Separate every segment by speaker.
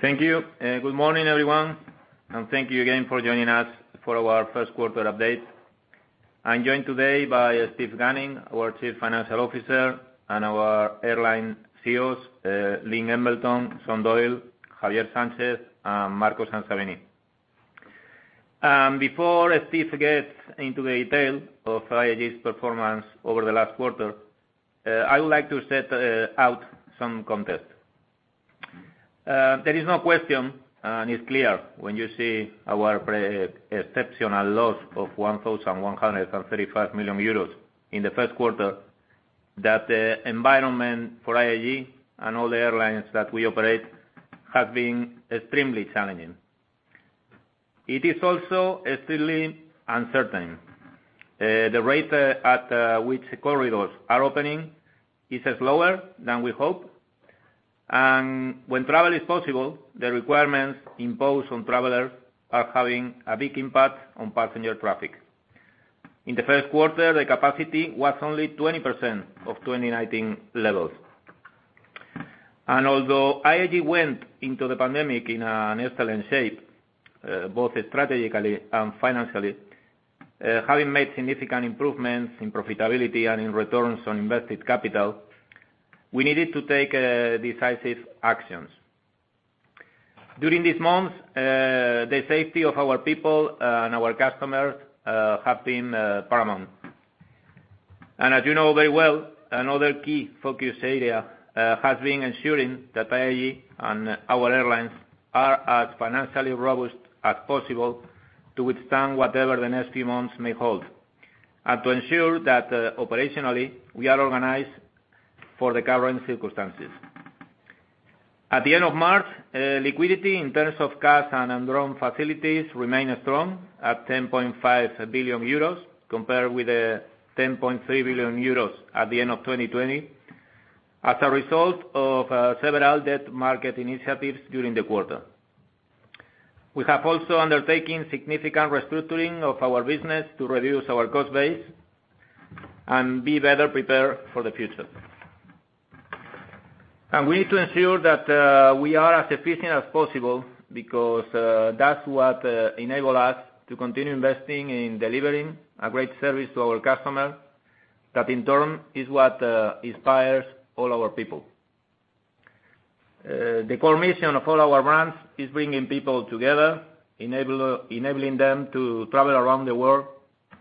Speaker 1: Thank you. Good morning, everyone, thank you again for joining us for our first quarter update. I'm joined today by Steve Gunning, our chief financial officer, and our airline CEOs, Lynne Embleton, Sean Doyle, Javier Sánchez-Prieto, and Marco Sansavini. Before Steve gets into the detail of IAG's performance over the last quarter, I would like to set out some context. There is no question, it's clear when you see our pre-exceptional loss of 1,135 million euros in the first quarter, that the environment for IAG and all the airlines that we operate has been extremely challenging. It is also extremely uncertain. The rate at which corridors are opening is slower than we hope. When travel is possible, the requirements imposed on travelers are having a big impact on passenger traffic. In the first quarter, the capacity was only 20% of 2019 levels. Although IAG went into the pandemic in an excellent shape, both strategically and financially, having made significant improvements in profitability and in returns on invested capital, we needed to take decisive actions. During these months, the safety of our people and our customers have been paramount. As you know very well, another key focus area has been ensuring that IAG and our airlines are as financially robust as possible to withstand whatever the next few months may hold, and to ensure that operationally we are organized for the current circumstances. At the end of March, liquidity in terms of cash and undrawn facilities remained strong at 10.5 billion euros, compared with 10.3 billion euros at the end of 2020, as a result of several debt market initiatives during the quarter. We have also undertaken significant restructuring of our business to reduce our cost base and be better prepared for the future. We need to ensure that we are as efficient as possible because that's what enable us to continue investing in delivering a great service to our customers, that in turn, is what inspires all our people. The core mission of all our brands is bringing people together, enabling them to travel around the world,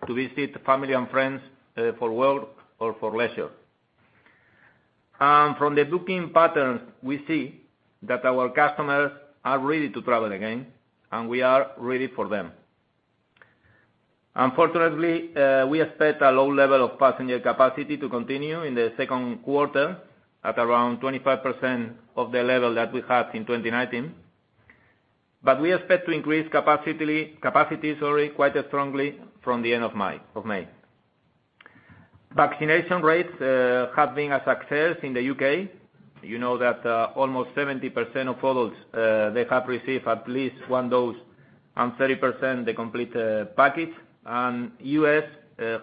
Speaker 1: to visit family and friends, for work or for leisure. From the booking patterns, we see that our customers are ready to travel again, and we are ready for them. Unfortunately, we expect a low level of passenger capacity to continue in the second quarter at around 25% of the level that we had in 2019. We expect to increase capacity quite strongly from the end of May. Vaccination rates have been a success in the U.K. You know that almost 70% of adults, they have received at least one dose, and 30% the complete package. U.S.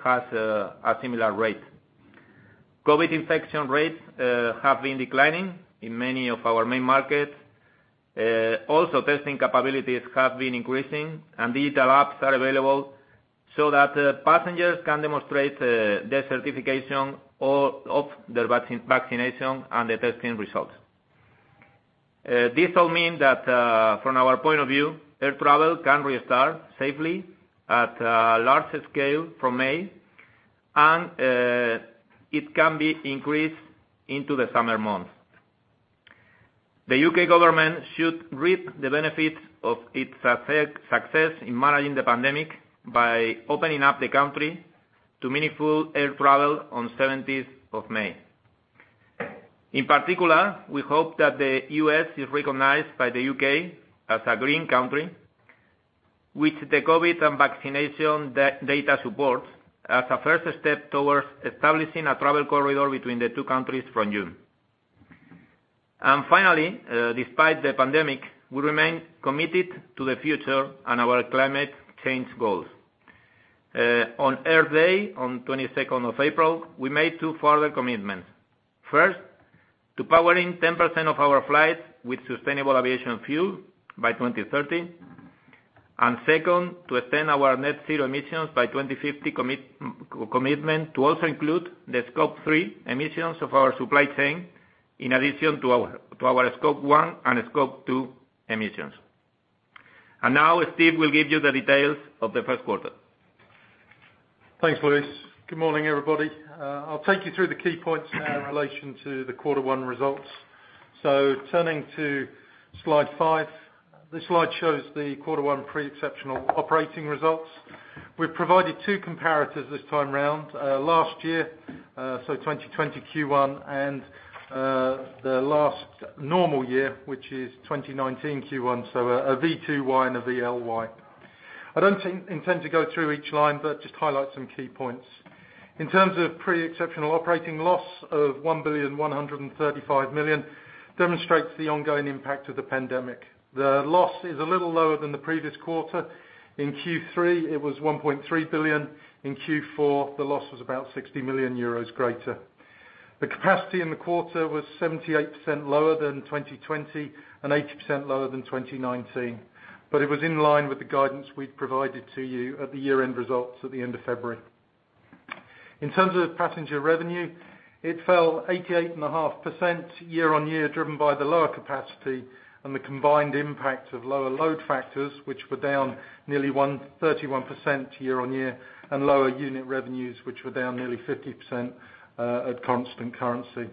Speaker 1: has a similar rate. COVID infection rates have been declining in many of our main markets. Also, testing capabilities have been increasing, and digital apps are available so that passengers can demonstrate their certification of their vaccination and the testing results. This all mean that, from our point of view, air travel can restart safely at large scale from May, and it can be increased into the summer months. The U.K. government should reap the benefits of its success in managing the pandemic by opening up the country to meaningful air travel on May 17th. In particular, we hope that the U.S. is recognized by the U.K. as a green country, which the COVID and vaccination data supports as a first step towards establishing a travel corridor between the two countries from June. Finally, despite the pandemic, we remain committed to the future and our climate change goals. On Earth Day, on April 22nd, we made two further commitments. First, to powering 10% of our flights with Sustainable Aviation Fuel by 2030. Second, to extend our net zero emissions by 2050 commitment to also include the Scope 3 emissions of our supply chain in addition to our Scope 1 and Scope 2 emissions. Now Steve will give you the details of the first quarter.
Speaker 2: Thanks, Luis. Good morning, everybody. I'll take you through the key points now in relation to the quarter one results. Turning to slide five. This slide shows the quarter one pre-exceptional operating results. We've provided two comparatives this time around. Last year, 2020 Q1, and the last normal year, which is 2019 Q1, so a V2Y and a VLY. I don't intend to go through each line, but just highlight some key points. In terms of pre-exceptional operating loss of 1,135,000,000 demonstrates the ongoing impact of the pandemic. The loss is a little lower than the previous quarter. In Q3, it was 1.3 billion. In Q4, the loss was about 60 million euros greater. The capacity in the quarter was 78% lower than 2020 and 80% lower than 2019, but it was in line with the guidance we'd provided to you at the year-end results at the end of February. In terms of passenger revenue, it fell 88.5% year-on-year, driven by the lower capacity and the combined impact of lower load factors, which were down nearly 31% year-on-year, and lower unit revenues, which were down nearly 50% at constant currency.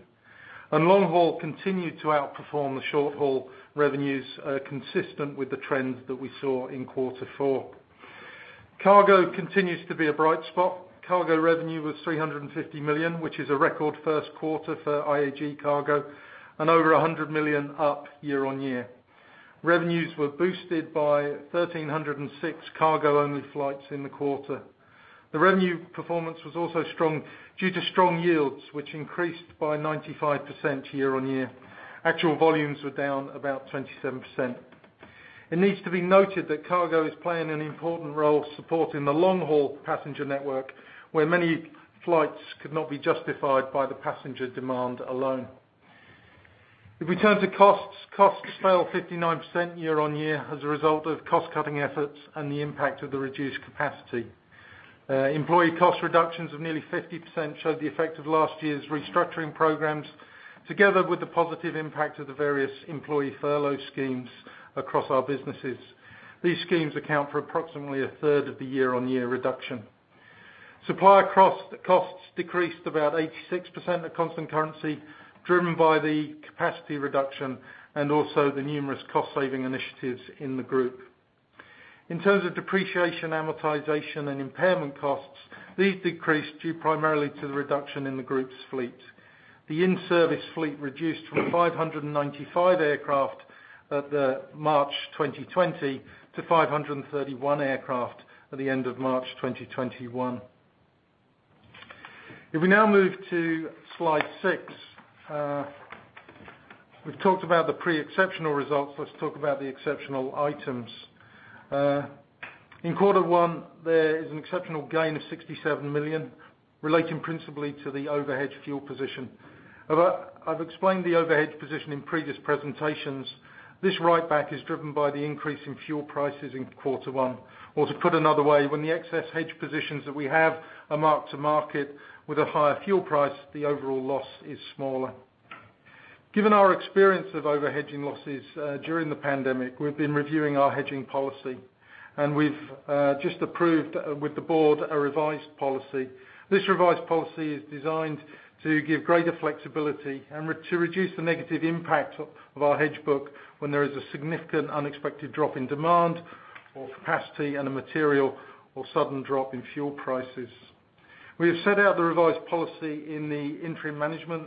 Speaker 2: Long haul continued to outperform the short-haul revenues, consistent with the trends that we saw in quarter four. Cargo continues to be a bright spot. Cargo revenue was 350 million, which is a record first quarter for IAG Cargo and over 100 million up year-on-year. Revenues were boosted by 1,306 cargo-only flights in the quarter. The revenue performance was also strong due to strong yields, which increased by 95% year-on-year. Actual volumes were down about 27%. It needs to be noted that cargo is playing an important role supporting the long-haul passenger network, where many flights could not be justified by the passenger demand alone. If we turn to costs fell 59% year-on-year as a result of cost-cutting efforts and the impact of the reduced capacity. Employee cost reductions of nearly 50% showed the effect of last year's restructuring programs together with the positive impact of the various employee furlough schemes across our businesses. These schemes account for approximately a third of the year-on-year reduction. Supplier costs decreased about 86% at constant currency, driven by the capacity reduction and also the numerous cost-saving initiatives in the group. In terms of depreciation, amortization, and impairment costs, these decreased due primarily to the reduction in the group's fleet. The in-service fleet reduced from 595 aircraft at the March 2020 to 531 aircraft at the end of March 2021. If we now move to slide six. We've talked about the pre-exceptional results. Let's talk about the exceptional items. In quarter one, there is an exceptional gain of 67 million relating principally to the overhedged fuel position. I've explained the overhedged position in previous presentations. This writeback is driven by the increase in fuel prices in quarter one. To put another way, when the excess hedge positions that we have are mark-to-market with a higher fuel price, the overall loss is smaller. Given our experience of overhedging losses during the pandemic, we've been reviewing our hedging policy, and we've just approved with the board a revised policy. This revised policy is designed to give greater flexibility and to reduce the negative impact of our hedge book when there is a significant unexpected drop in demand or capacity and a material or sudden drop in fuel prices. We have set out the revised policy in the interim management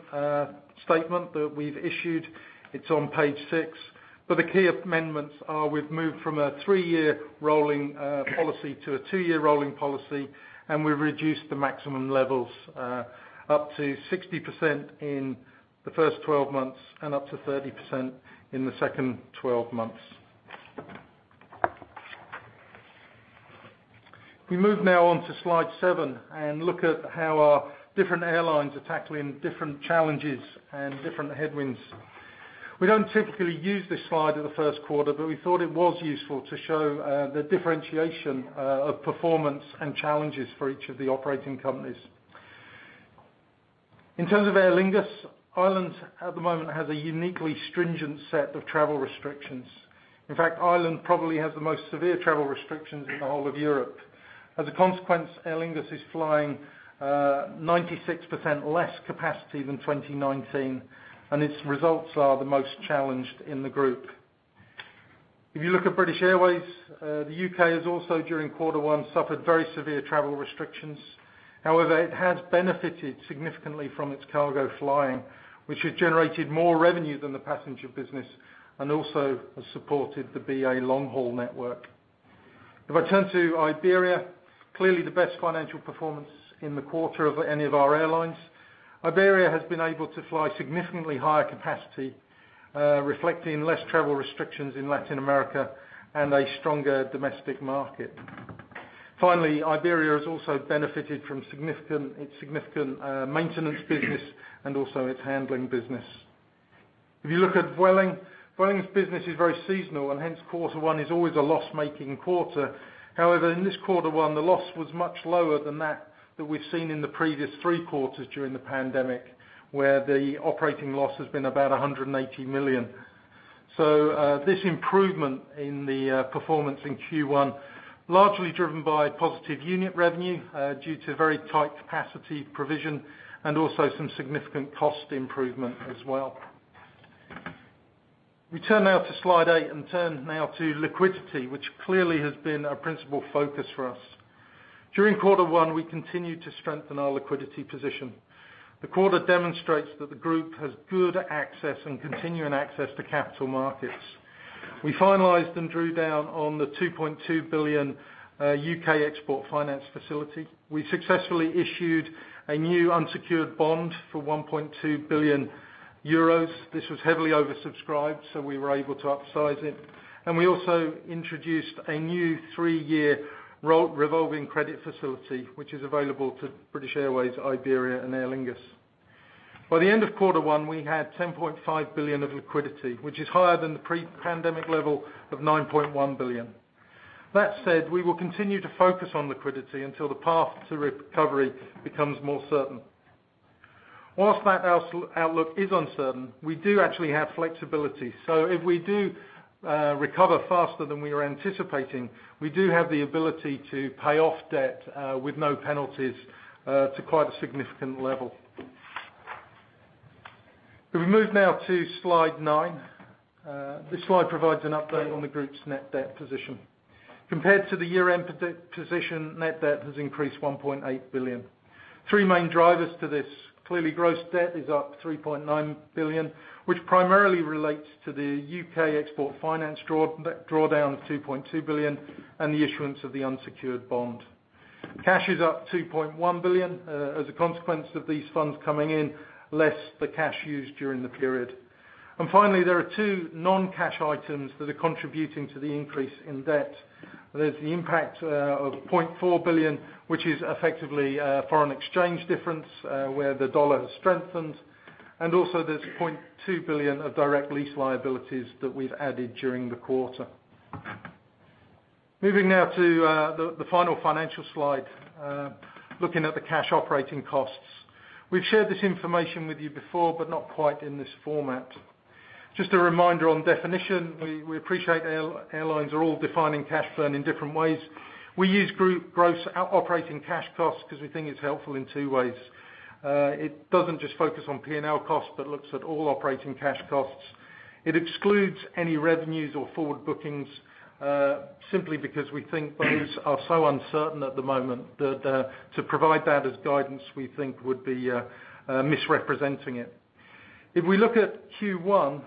Speaker 2: statement that we've issued. It's on page six, but the key amendments are we've moved from a three-year rolling policy to a two-year rolling policy, and we've reduced the maximum levels up to 60% in the first 12 months and up to 30% in the second 12 months. We move now on to slide seven and look at how our different airlines are tackling different challenges and different headwinds. We don't typically use this slide in the first quarter, but we thought it was useful to show the differentiation of performance and challenges for each of the operating companies. In terms of Aer Lingus, Ireland at the moment has a uniquely stringent set of travel restrictions. In fact, Ireland probably has the most severe travel restrictions in the whole of Europe. As a consequence, Aer Lingus is flying 96% less capacity than 2019, and its results are the most challenged in the group. If you look at British Airways, the U.K. has also, during quarter one, suffered very severe travel restrictions. However, it has benefited significantly from its cargo flying, which has generated more revenue than the passenger business and also has supported the BA long-haul network. If I turn to Iberia, clearly the best financial performance in the quarter of any of our airlines. Iberia has been able to fly significantly higher capacity, reflecting less travel restrictions in Latin America and a stronger domestic market. Iberia has also benefited from its significant maintenance business and also its handling business. If you look at Vueling's business is very seasonal, hence, quarter one is always a loss-making quarter. In this quarter one, the loss was much lower than that that we've seen in the previous three quarters during the pandemic, where the operating loss has been about 180 million. This improvement in the performance in Q1, largely driven by positive unit revenue due to very tight capacity provision and also some significant cost improvement as well. We turn now to slide eight, turn now to liquidity, which clearly has been a principal focus for us. During quarter one, we continued to strengthen our liquidity position. The quarter demonstrates that the group has good access and continuing access to capital markets. We finalized and drew down on the 2.2 billion UK Export Finance facility. We successfully issued a new unsecured bond for 1.2 billion euros. This was heavily oversubscribed. We were able to upsize it. We also introduced a new three-year revolving credit facility, which is available to British Airways, Iberia, and Aer Lingus. By the end of quarter one, we had 10.5 billion of liquidity, which is higher than the pre-pandemic level of 9.1 billion. That said, we will continue to focus on liquidity until the path to recovery becomes more certain. Whilst that outlook is uncertain, we do actually have flexibility. If we do recover faster than we are anticipating, we do have the ability to pay off debt with no penalties to quite a significant level. If we move now to Slide nine. This slide provides an update on the group's net debt position. Compared to the year-end position, net debt has increased 1.8 billion. Three main drivers to this. Clearly, gross debt is up 3.9 billion, which primarily relates to the UK Export Finance drawdown of 2.2 billion and the issuance of the unsecured bond. Cash is up 2.1 billion as a consequence of these funds coming in, less the cash used during the period. Finally, there are two non-cash items that are contributing to the increase in debt. There's the impact of $0.4 billion, which is effectively a foreign exchange difference where the dollar has strengthened. Also, there's 0.2 billion of direct lease liabilities that we've added during the quarter. Moving now to the final financial slide, looking at the cash operating costs. We've shared this information with you before, but not quite in this format. Just a reminder on definition. We appreciate airlines are all defining cash burn in different ways. We use group gross operating cash costs because we think it's helpful in two ways. It doesn't just focus on P&L costs, but looks at all operating cash costs. It excludes any revenues or forward bookings, simply because we think those are so uncertain at the moment that to provide that as guidance, we think would be misrepresenting it. If we look at Q1,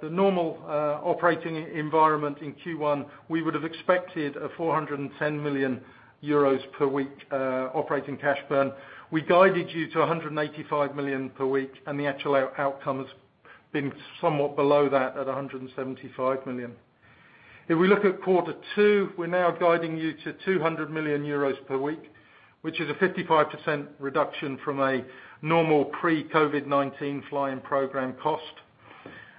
Speaker 2: the normal operating environment in Q1, we would have expected a 410 million euros per week operating cash burn. We guided you to 185 million per week. The actual outcome has been somewhat below that at 175 million. If we look at quarter two, we're now guiding you to 200 million euros per week, which is a 55% reduction from a normal pre-COVID-19 flying program cost.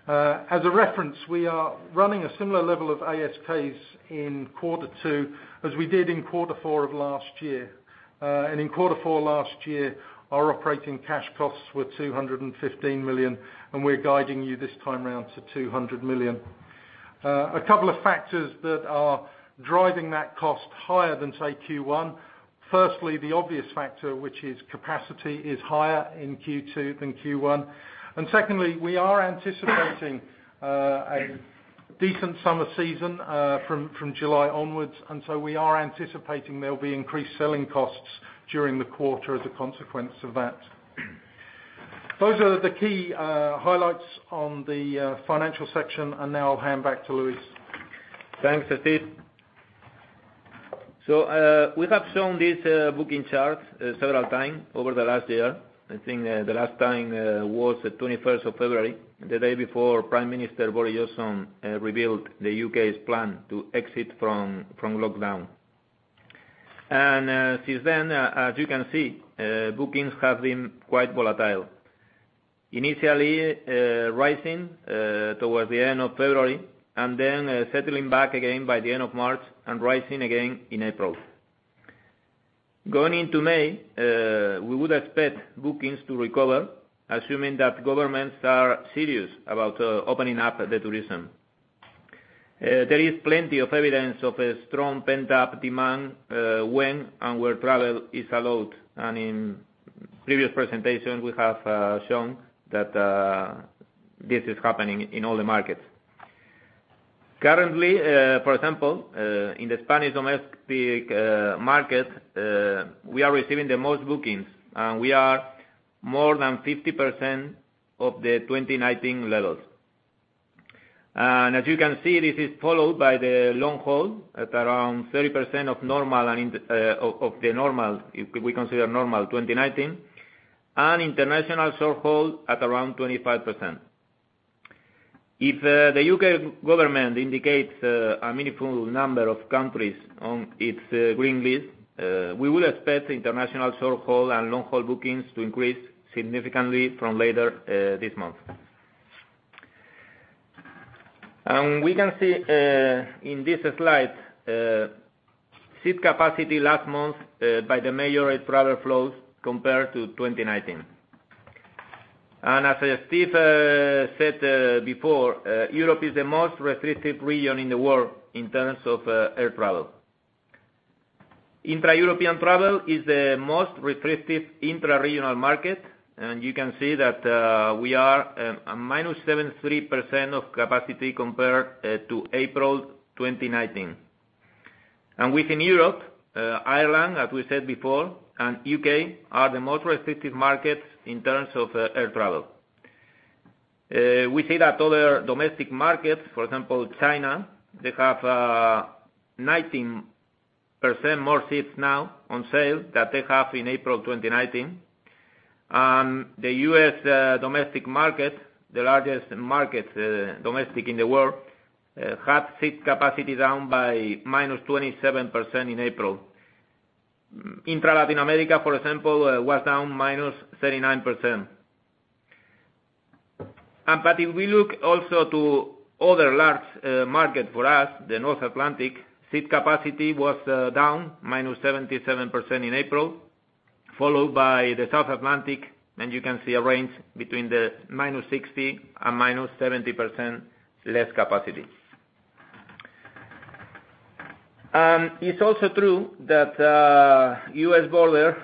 Speaker 2: As a reference, we are running a similar level of ASKs in Q2 as we did in Q4 of last year. In Q4 last year, our operating cash costs were 215 million, and we're guiding you this time around to 200 million. A couple of factors that are driving that cost higher than, say, Q1. Firstly, the obvious factor, which is capacity is higher in Q2 than Q1. Secondly, we are anticipating a decent summer season from July onwards, so we are anticipating there'll be increased selling costs during the quarter as a consequence of that. Those are the key highlights on the financial section, now I'll hand back to Luis.
Speaker 1: Thanks, Steve. We have shown this booking chart several times over the last year. I think the last time was the February 21st, the day before Prime Minister Boris Johnson revealed the U.K.'s plan to exit from lockdown. Since then, as you can see, bookings have been quite volatile. Initially, rising towards the end of February, and then settling back again by the end of March and rising again in April. Going into May, we would expect bookings to recover, assuming that governments are serious about opening up the tourism. There is plenty of evidence of a strong pent-up demand when and where travel is allowed, and in previous presentations, we have shown that this is happening in all the markets. Currently, for example in the Spanish domestic market, we are receiving the most bookings. We are more than 50% of the 2019 levels. As you can see, this is followed by the long haul at around 30% of the normal, if we consider normal 2019, and international short haul at around 25%. If the U.K. government indicates a meaningful number of countries on its green list, we will expect international short-haul and long-haul bookings to increase significantly from later this month. We can see in this slide, seat capacity last month by the major air travel flows compared to 2019. As Steve said before, Europe is the most restricted region in the world in terms of air travel. Intra-European travel is the most restricted intra-regional market, and you can see that we are at -73% of capacity compared to April 2019. Within Europe, Ireland, as we said before, and U.K. are the most restricted markets in terms of air travel. We see that other domestic markets, for example, China, they have 19% more seats now on sale than they have in April 2019. The U.S. domestic market, the largest market, domestic in the world, had seat capacity down by -27% in April. Intra-Latin America, for example, was down -39%. If we look also to other large market for us, the North Atlantic, seat capacity was down -77% in April, followed by the South Atlantic. You can see a range between the -60% and -70% less capacity. It's also true that U.S. border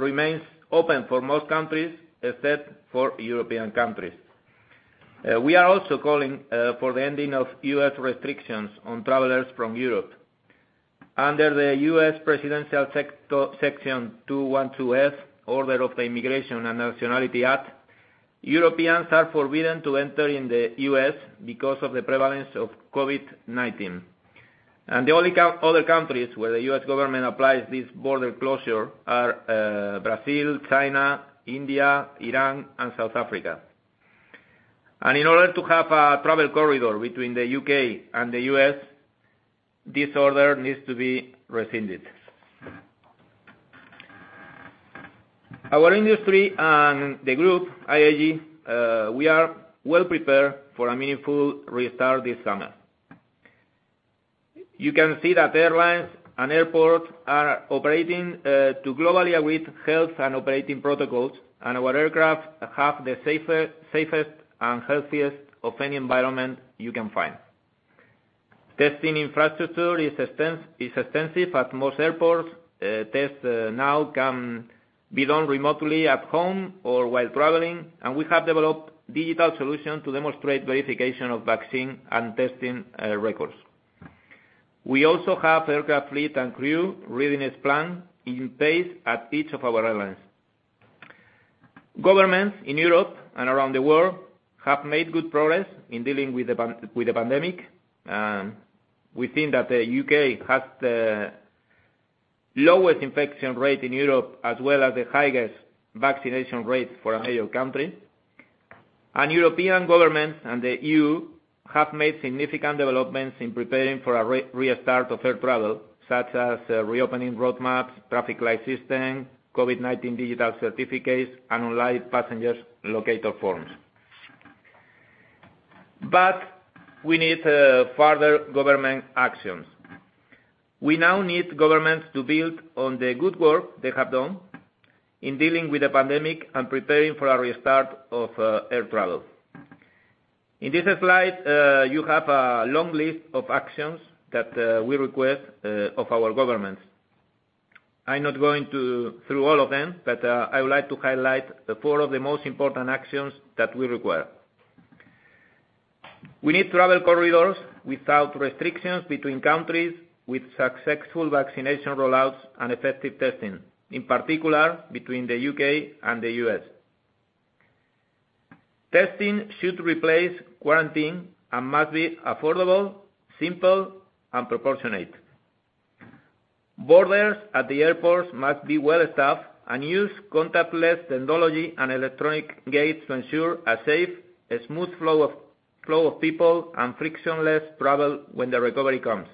Speaker 1: remains open for most countries, except for European countries. We are also calling for the ending of U.S. restrictions on travelers from Europe. Under the U.S. Presidential Section 212(f), Order of the Immigration and Nationality Act, Europeans are forbidden to enter in the U.S. because of the prevalence of COVID-19. The only other countries where the U.S. government applies this border closure are Brazil, China, India, Iran, and South Africa. In order to have a travel corridor between the U.K. and the U.S., this order needs to be rescinded. Our industry and the group, IAG, we are well prepared for a meaningful restart this summer. You can see that airlines and airports are operating to globally agreed health and operating protocols, and our aircraft have the safest and healthiest of any environment you can find. Testing infrastructure is extensive at most airports. Tests now can be done remotely at home or while traveling, and we have developed digital solution to demonstrate verification of vaccine and testing records. We also have aircraft fleet and crew readiness plan in place at each of our airlines. Governments in Europe and around the world have made good progress in dealing with the pandemic. We think that the U.K. has the lowest infection rate in Europe, as well as the highest vaccination rate for a major country. European governments and the EU have made significant developments in preparing for a restart of air travel, such as reopening roadmaps, traffic light system, COVID-19 digital certificates, and online passengers locator forms. We need further government actions. We now need governments to build on the good work they have done in dealing with the pandemic and preparing for a restart of air travel. In this slide, you have a long list of actions that we request of our governments. I'm not going through all of them, but I would like to highlight four of the most important actions that we require. We need travel corridors without restrictions between countries with successful vaccination roll-outs and effective testing, in particular between the U.K. and the U.S. Testing should replace quarantine and must be affordable, simple, and proportionate. Borders at the airports must be well-staffed and use contactless technology and electronic gates to ensure a safe, smooth flow of people and frictionless travel when the recovery comes.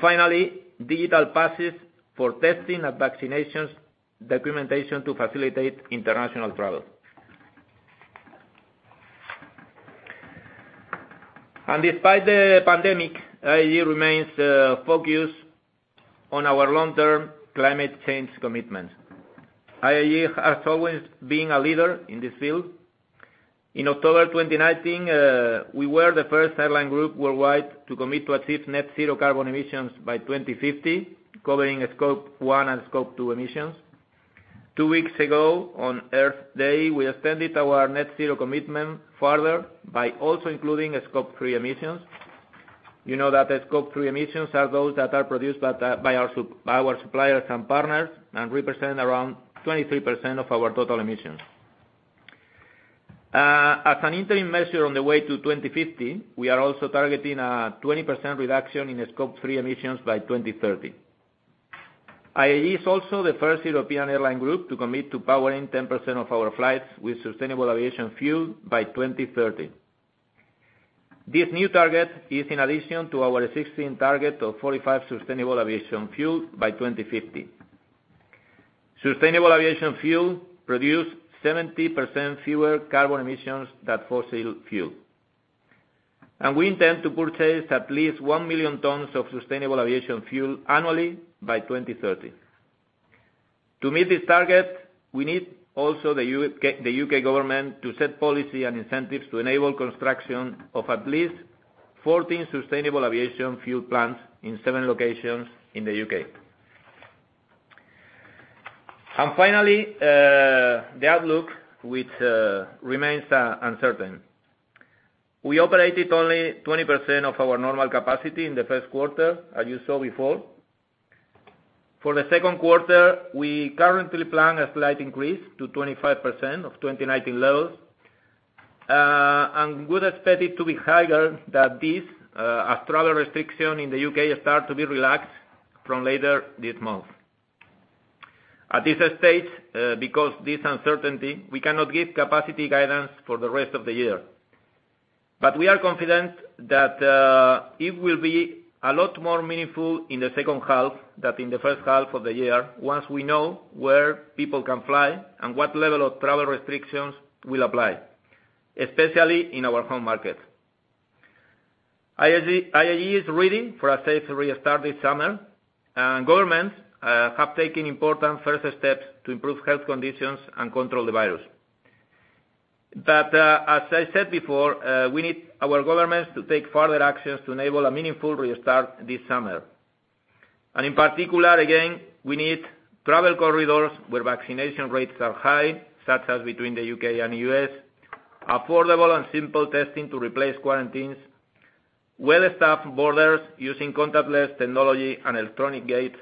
Speaker 1: Finally, digital passes for testing and vaccinations documentation to facilitate international travel. Despite the pandemic, IAG remains focused on our long-term climate change commitment. IAG has always been a leader in this field. In October 2019, we were the first airline group worldwide to commit to achieve net zero carbon emissions by 2050, covering Scope 1 and Scope 2 emissions. Two weeks ago, on Earth Day, we extended our net zero commitment further by also including Scope 3 emissions. You know that Scope 3 emissions are those that are produced by our suppliers and partners and represent around 23% of our total emissions. As an interim measure on the way to 2050, we are also targeting a 20% reduction in Scope 3 emissions by 2030. IAG is also the first European airline group to commit to powering 10% of our flights with Sustainable Aviation Fuel by 2030. This new target is in addition to our existing target of 45 Sustainable Aviation Fuel by 2050. Sustainable Aviation Fuel produce 70% fewer carbon emissions than fossil fuel. We intend to purchase at least 1 million tons of Sustainable Aviation Fuel annually by 2030. To meet this target, we need also the U.K. government to set policy and incentives to enable construction of at least 14 Sustainable Aviation Fuel plants in seven locations in the U.K. Finally, the outlook, which remains uncertain. We operated only 20% of our normal capacity in the first quarter, as you saw before. For the second quarter, we currently plan a slight increase to 25% of 2019 levels, and would expect it to be higher than this as travel restrictions in the U.K. start to be relaxed from later this month. At this stage, because of this uncertainty, we cannot give capacity guidance for the rest of the year. We are confident that it will be a lot more meaningful in the second half than in the first half of the year once we know where people can fly and what level of travel restrictions will apply, especially in our home market. IAG is ready for a safe restart this summer, and governments have taken important first steps to improve health conditions and control the virus. As I said before, we need our governments to take further actions to enable a meaningful restart this summer. In particular, again, we need travel corridors where vaccination rates are high, such as between the U.K. and the U.S., affordable and simple testing to replace quarantines, well-staffed borders using contactless technology and electronic gates,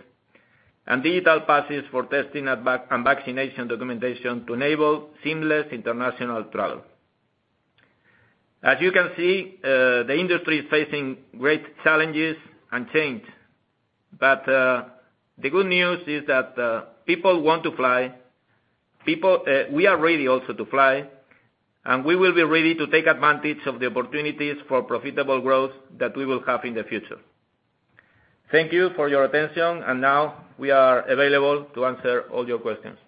Speaker 1: and digital passes for testing and vaccination documentation to enable seamless international travel. As you can see, the industry is facing great challenges and change. The good news is that people want to fly. We are ready also to fly, and we will be ready to take advantage of the opportunities for profitable growth that we will have in the future. Thank you for your attention, and now we are available to answer all your questions.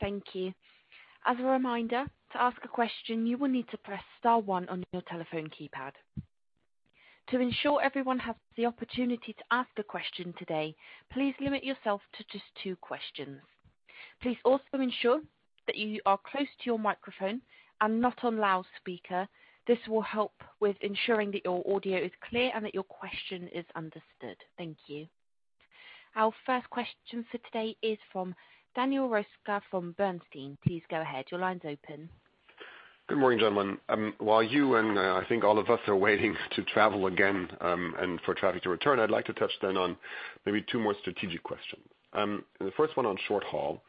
Speaker 3: Thank you. As a reminder, to ask a question, you will need to press star one on your telephone keypad. To ensure everyone has the opportunity to ask a question today, please limit yourself to just two questions. Please also ensure that you are close to your microphone and not on loudspeaker. This will help with ensuring that your audio is clear and that your question is understood. Thank you. Our first question for today is from Daniel Roeska from Bernstein. Please go ahead. Your line's open.
Speaker 4: Good morning, gentlemen. While you and I think all of us are waiting to travel again, and for traffic to return, I'd like to touch on maybe two more strategic questions. The first one on short haul.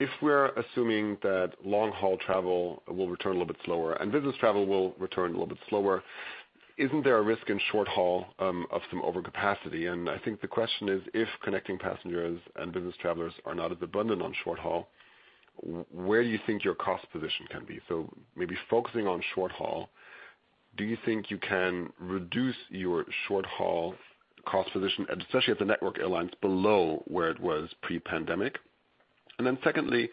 Speaker 4: If we're assuming that long haul travel will return a little bit slower, and business travel will return a little bit slower, isn't there a risk in short haul of some overcapacity? I think the question is, if connecting passengers and business travelers are not as abundant on short haul, where do you think your cost position can be? Maybe focusing on short haul, do you think you can reduce your short-haul cost position, especially at the network airlines, below where it was pre-pandemic? Secondly,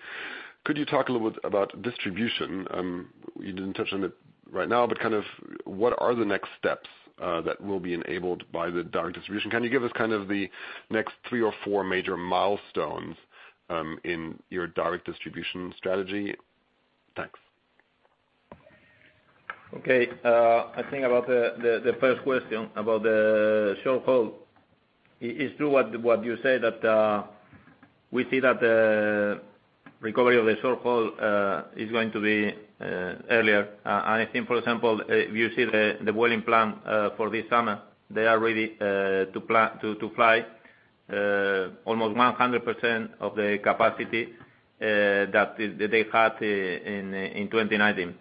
Speaker 4: could you talk a little bit about distribution? You didn't touch on it right now, what are the next steps that will be enabled by the direct distribution? Can you give us the next three or four major milestones, in your direct distribution strategy? Thanks.
Speaker 1: I think about the first question about the short haul. It is true what you say that we see that the recovery of the short haul is going to be earlier. I think, for example, if you see the Vueling plan for this summer, they are ready to fly almost 100% of the capacity that they had in 2019.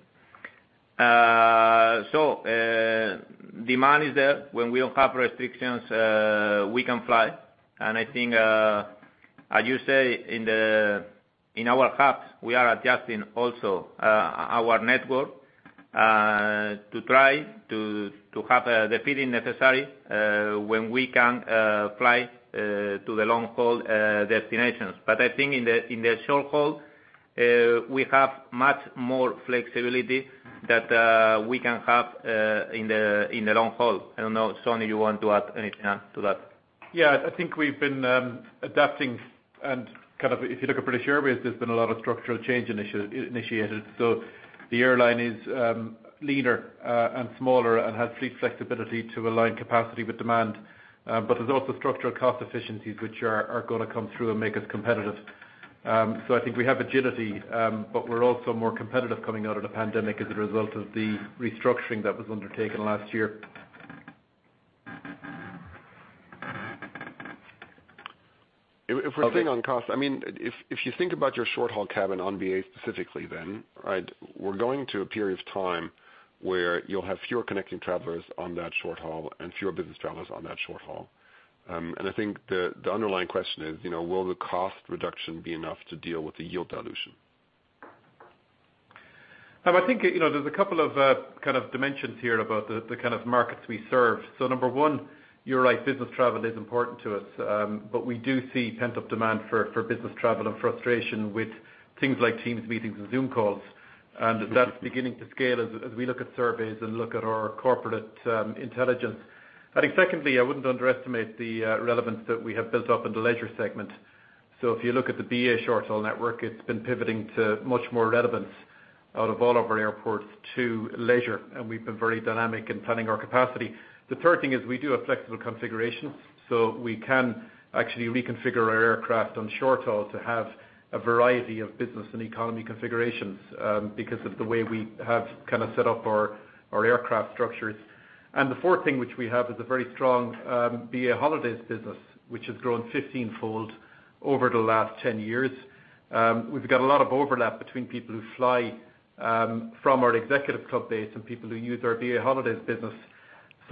Speaker 1: Demand is there. When we don't have restrictions, we can fly. I think, as you say, in our hubs, we are adjusting also our network to try to have the feed necessary, when we can fly to the long-haul destinations. I think in the short haul, we have much more flexibility that we can have in the long haul. I don't know, Sean, you want to add anything to that?
Speaker 5: Yeah, I think we've been adapting. If you look at British Airways, there's been a lot of structural change initiated. The airline is leaner and smaller and has fleet flexibility to align capacity with demand. There's also structural cost efficiencies, which are going to come through and make us competitive. I think we have agility, but we're also more competitive coming out of the pandemic as a result of the restructuring that was undertaken last year.
Speaker 4: If we're thinking on cost, if you think about your short-haul cabin on BA specifically, we're going to a period of time where you'll have fewer connecting travelers on that short haul and fewer business travelers on that short haul. I think the underlying question is, will the cost reduction be enough to deal with the yield dilution?
Speaker 5: I think, there's a couple of dimensions here about the kind of markets we serve. Number one, you're right, business travel is important to us. We do see pent-up demand for business travel and frustration with things like Teams meetings and Zoom calls. That's beginning to scale as we look at surveys and look at our corporate intelligence. I think secondly, I wouldn't underestimate the relevance that we have built up in the leisure segment. If you look at the BA short-haul network, it's been pivoting to much more relevance out of all of our airports to leisure, and we've been very dynamic in planning our capacity. The third thing is we do have flexible configurations, so we can actually reconfigure our aircraft on short haul to have a variety of business and economy configurations, because of the way we have set up our aircraft structures. The fourth thing which we have is a very strong BA Holidays business, which has grown 15-fold over the last 10 years. We've got a lot of overlap between people who fly from our Executive Club base and people who use our BA Holidays business.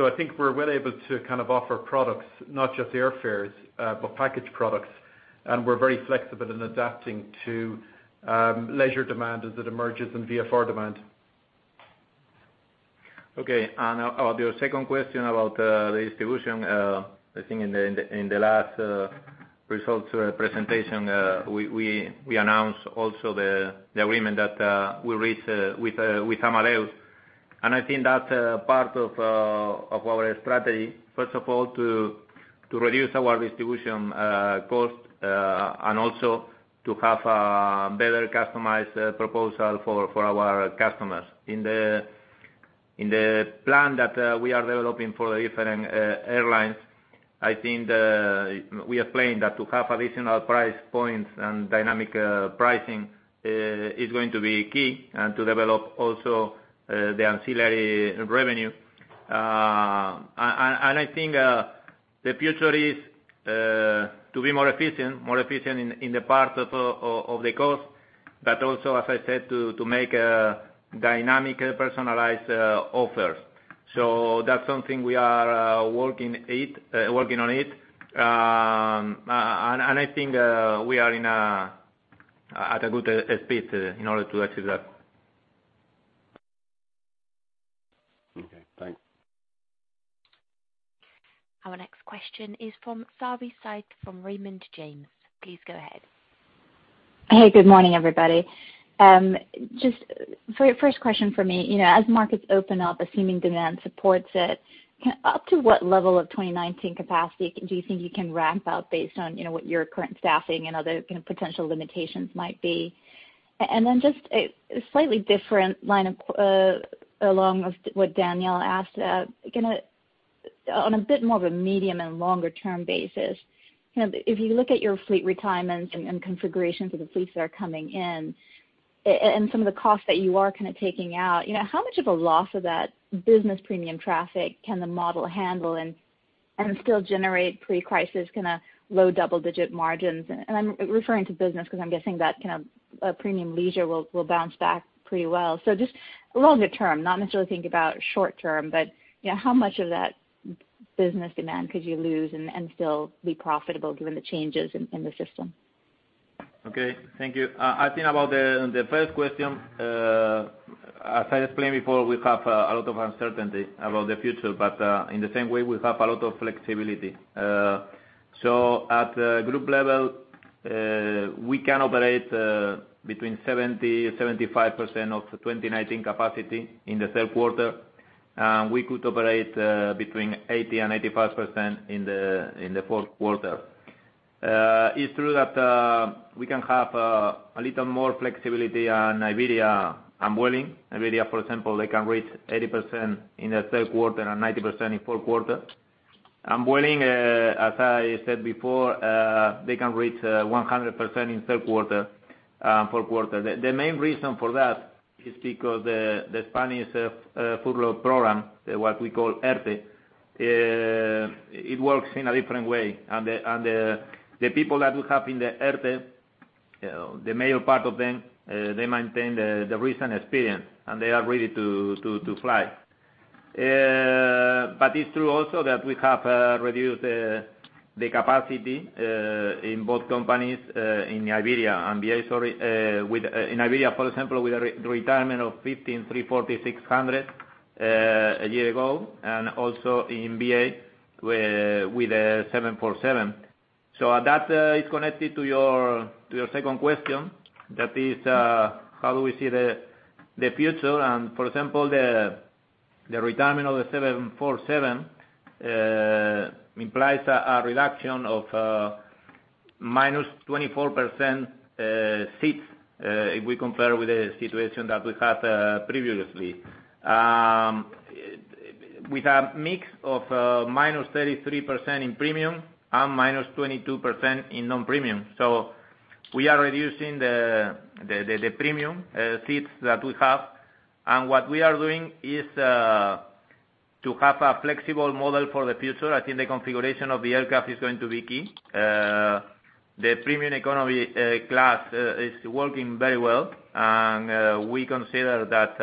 Speaker 5: I think we're well able to offer products, not just airfares, but package products. We're very flexible in adapting to leisure demand as it emerges in VFR demand.
Speaker 1: Okay. On your second question about the distribution, I think in the last results presentation, we announced also the agreement that we reached with Amadeus. I think that's part of our strategy, first of all, to reduce our distribution cost, and also to have a better customized proposal for our customers. In the plan that we are developing for the different airlines, I think we explained that to have additional price points and dynamic pricing is going to be key, and to develop also the ancillary revenue. I think the future is to be more efficient, more efficient in the part of the cost, but also, as I said, to make dynamic personalized offers. That's something we are working on. I think we are at a good speed in order to achieve that.
Speaker 4: Okay, thanks.
Speaker 3: Our next question is from Savanthi Syth from Raymond James. Please go ahead.
Speaker 6: Hey, good morning, everybody. Just first question from me. As markets open up, assuming demand supports it, up to what level of 2019 capacity do you think you can ramp up based on what your current staffing and other potential limitations might be? Just a slightly different line along with what Daniel asked. On a bit more of a medium and longer-term basis, if you look at your fleet retirements and configurations of the fleets that are coming in, and some of the costs that you are taking out. How much of a loss of that business premium traffic can the model handle and still generate pre-crisis low double-digit margins? I'm referring to business because I'm guessing that premium leisure will bounce back pretty well. Just a little bit term, not necessarily thinking about short-term, but how much of that business demand could you lose and still be profitable given the changes in the system?
Speaker 1: Okay. Thank you. I think about the first question, as I explained before, we have a lot of uncertainty about the future. In the same way, we have a lot of flexibility. At the group level, we can operate between 70% and 75% of 2019 capacity in the third quarter, and we could operate between 80% and 85% in the fourth quarter. It's true that we can have a little more flexibility on Iberia and Vueling. Iberia, for example, they can reach 80% in the third quarter and 90% in fourth quarter. Vueling, as I said before, they can reach 100% in third quarter and fourth quarter. The main reason for that is because the Spanish furloughed program, what we call ERTE, it works in a different way. The people that we have in the ERTE, the major part of them, they maintain the recent experience, and they are ready to fly. It's true also that we have reduced the capacity in both companies in Iberia and BA, sorry. In Iberia, for example, with the retirement of 15 A340-600 a year ago, and also in BA with a 747. That is connected to your second question, that is how do we see the future? For example, the retirement of the 747 implies a reduction of -24% seats if we compare with the situation that we had previously. With a mix of -33% in premium and -22% in non-premium. We are reducing the premium seats that we have. What we are doing is to have a flexible model for the future. I think the configuration of the aircraft is going to be key. The premium economy class is working very well, and we consider that,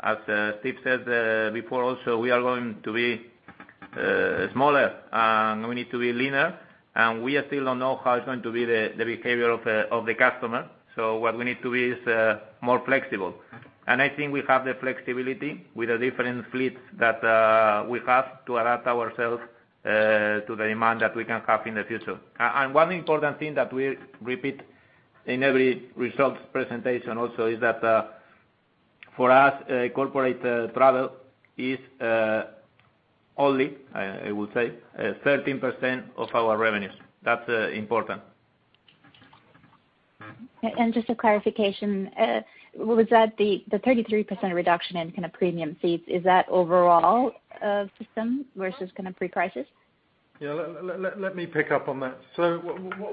Speaker 1: as Steve said before also, we are going to be smaller, and we need to be leaner, and we still don't know how it's going to be the behavior of the customer. What we need to be is more flexible. I think we have the flexibility with the different fleets that we have to adapt ourselves to the demand that we can have in the future. One important thing that we repeat in every results presentation also is that, for us, corporate travel is only, I would say, 13% of our revenues. That's important.
Speaker 6: Just a clarification. Was that the 33% reduction in premium seats, is that overall system versus pre-crisis?
Speaker 2: Let me pick up on that.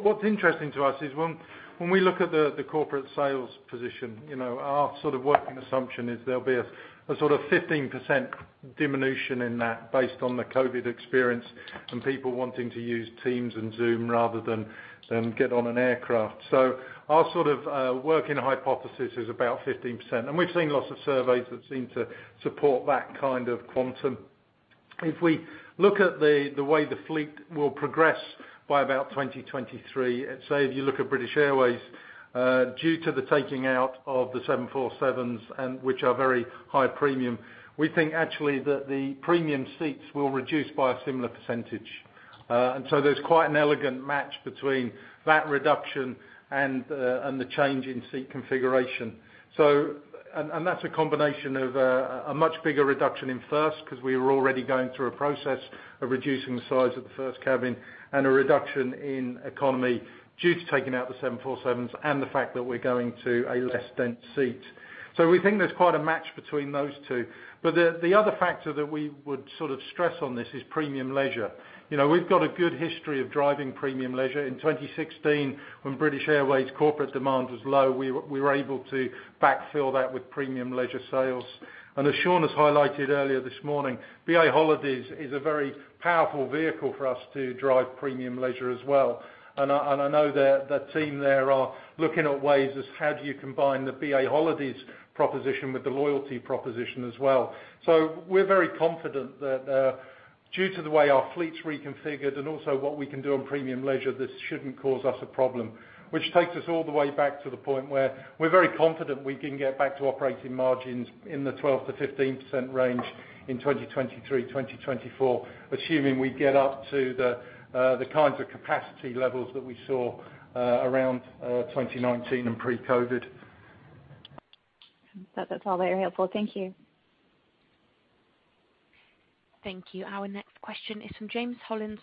Speaker 2: What's interesting to us is when we look at the corporate sales position, our working assumption is there'll be a 15% diminution in that based on the COVID experience and people wanting to use Teams and Zoom rather than get on an aircraft. Our working hypothesis is about 15%, and we've seen lots of surveys that seem to support that kind of quantum. If we look at the way the fleet will progress by about 2023, say, if you look at British Airways, due to the taking out of the 747s, which are very high premium, we think actually that the premium seats will reduce by a similar percentage. There's quite an elegant match between that reduction and the change in seat configuration. That's a combination of a much bigger reduction in first, because we were already going through a process of reducing the size of the first cabin and a reduction in economy due to taking out the 747s and the fact that we're going to a less dense seat. We think there's quite a match between those two. The other factor that we would stress on this is premium leisure. We've got a good history of driving premium leisure. In 2016, when British Airways corporate demand was low, we were able to backfill that with premium leisure sales. As Sean has highlighted earlier this morning, BA Holidays is a very powerful vehicle for us to drive premium leisure as well. I know that team there are looking at ways as how do you combine the BA Holidays proposition with the loyalty proposition as well. We're very confident that due to the way our fleet's reconfigured and also what we can do on premium leisure, this shouldn't cause us a problem. Takes us all the way back to the point where we're very confident we can get back to operating margins in the 12%-15% range in 2023, 2024, assuming we get up to the kinds of capacity levels that we saw around 2019 and pre-COVID.
Speaker 6: That's all very helpful. Thank you.
Speaker 3: Thank you. Our next question is from James Hollins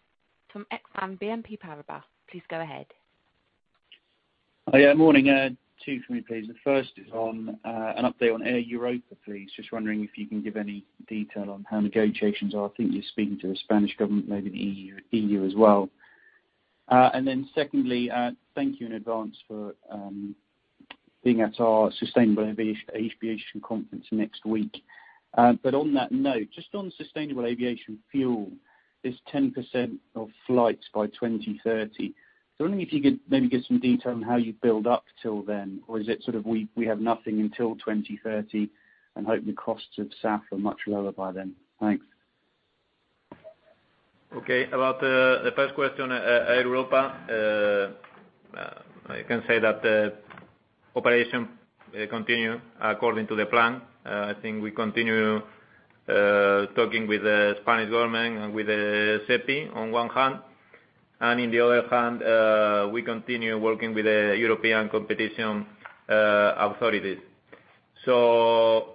Speaker 3: from Exane BNP Paribas. Please go ahead.
Speaker 7: Morning. Two for me, please. The first is on an update on Air Europa, please. Just wondering if you can give any detail on how negotiations are. I think you're speaking to the Spanish government, maybe the EU as well. Secondly, thank you in advance for being at our Sustainable Aviation Conference next week. On that note, just on Sustainable Aviation Fuel, this 10% of flights by 2030. Wondering if you could maybe give some detail on how you build up till then, is it we have nothing until 2030 and hope the costs of SAF are much lower by then. Thanks.
Speaker 1: About the first question, Air Europa. I can say that the operation continue according to the plan. I think we continue talking with th0e Spanish government and with the SEPI on one hand, and in the other hand, we continue working with the European competition authorities. About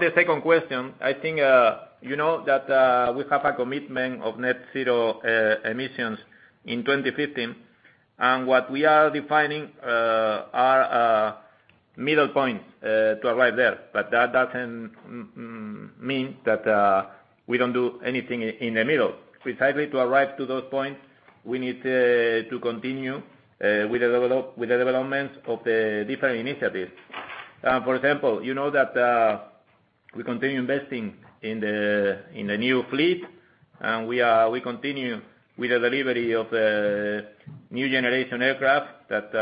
Speaker 1: the second question, I think you know that we have a commitment of net zero emissions in 2050, and what we are defining are middle points to arrive there. That doesn't mean that we don't do anything in the middle. Precisely to arrive to those points, we need to continue with the development of the different initiatives. For example, you know that we continue investing in the new fleet, and we continue with the delivery of the new generation aircraft that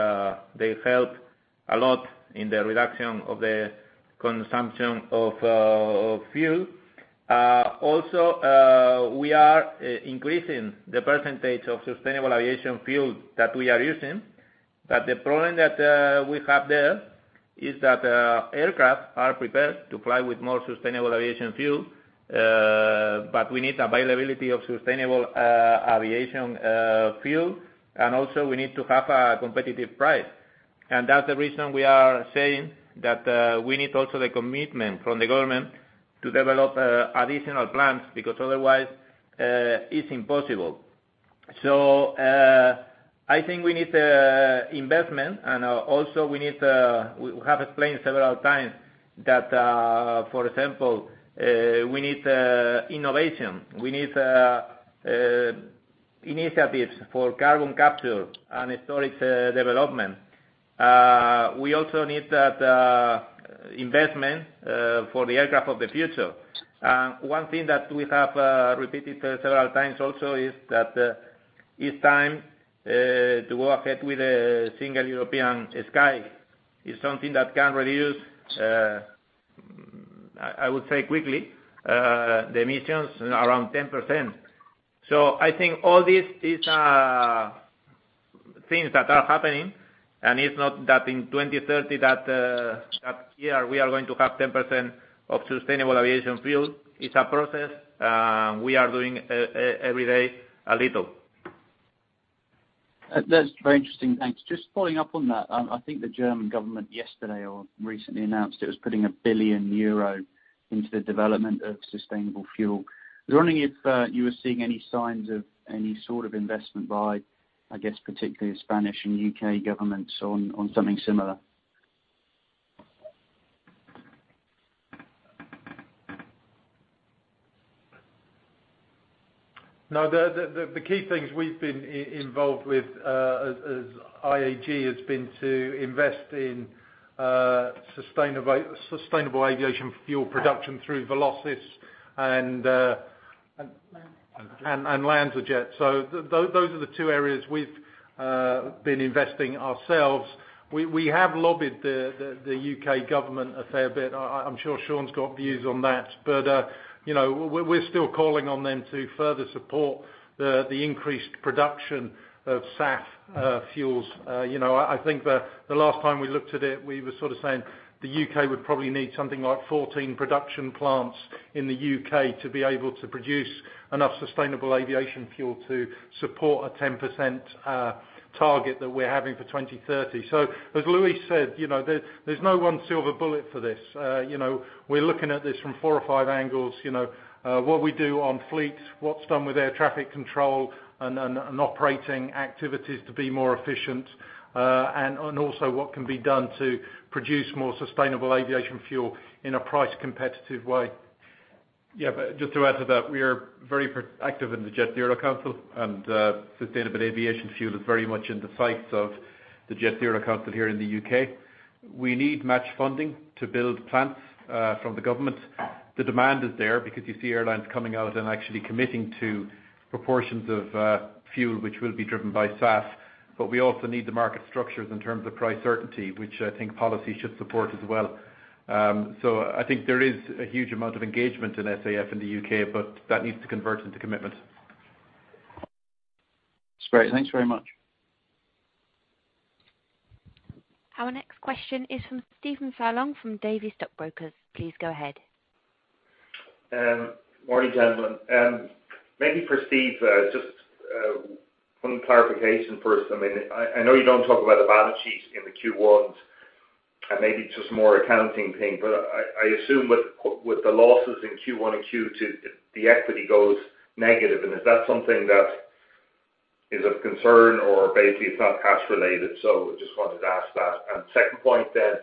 Speaker 1: they help a lot in the reduction of the consumption of fuel. We are increasing the percentage of Sustainable Aviation Fuel that we are using. The problem that we have there is that aircraft are prepared to fly with more Sustainable Aviation Fuel, but we need availability of Sustainable Aviation Fuel, and also we need to have a competitive price. That's the reason we are saying that we need also the commitment from the government to develop additional plans because otherwise it's impossible. I think we need investment and also we have explained several times that for example we need innovation. We need initiatives for carbon capture and storage development. We also need that investment for the aircraft of the future. One thing that we have repeated several times also is that it's time to go ahead with a Single European Sky. It's something that can reduce, I would say quickly, the emissions around 10%. I think all these are things that are happening, and it's not that in 2030, that year, we are going to have 10% of Sustainable Aviation Fuel. It's a process. We are doing every day a little.
Speaker 7: That's very interesting. Thanks. Just following up on that. I think the German government yesterday or recently announced it was putting 1 billion euro into the development of sustainable fuel. I was wondering if you were seeing any signs of any sort of investment by, I guess particularly Spanish and U.K. governments on something similar.
Speaker 2: No, the key things we've been involved with as IAG has been to invest in Sustainable Aviation Fuel production through Velocys and-
Speaker 5: LanzaJet
Speaker 2: LanzaJet, those are the two areas we've been investing ourselves. We have lobbied the U.K. government a fair bit. I'm sure Sean's got views on that. We're still calling on them to further support the increased production of SAF fuels. I think the last time we looked at it, we were saying the U.K. would probably need something like 14 production plants in the U.K. to be able to produce enough Sustainable Aviation Fuel to support a 10% target that we're having for 2030. As Luis said, there's no one silver bullet for this. We're looking at this from four or five angles. What we do on fleets, what's done with air traffic control and operating activities to be more efficient. Also what can be done to produce more Sustainable Aviation Fuel in a price competitive way.
Speaker 5: Just to add to that. We are very active in the Jet Zero Council, and Sustainable Aviation Fuel is very much in the sights of the Jet Zero Council here in the U.K. We need match funding to build plants from the government. The demand is there because you see airlines coming out and actually committing to proportions of fuel, which will be driven by SAF. We also need the market structures in terms of price certainty, which I think policy should support as well. I think there is a huge amount of engagement in SAF in the U.K., but that needs to convert into commitment.
Speaker 7: That's great. Thanks very much.
Speaker 3: Our next question is from Stephen Furlong from Davy Stockbrokers. Please go ahead.
Speaker 8: Morning, gentlemen. Maybe for Steve, just one clarification first. I know you don't talk about the balance sheet in the Q1, and maybe it's just more accounting thing, but I assume with the losses in Q1 and Q2, the equity goes negative. Is that something that is of concern or basically it's not cash related? Just wanted to ask that. Second point then,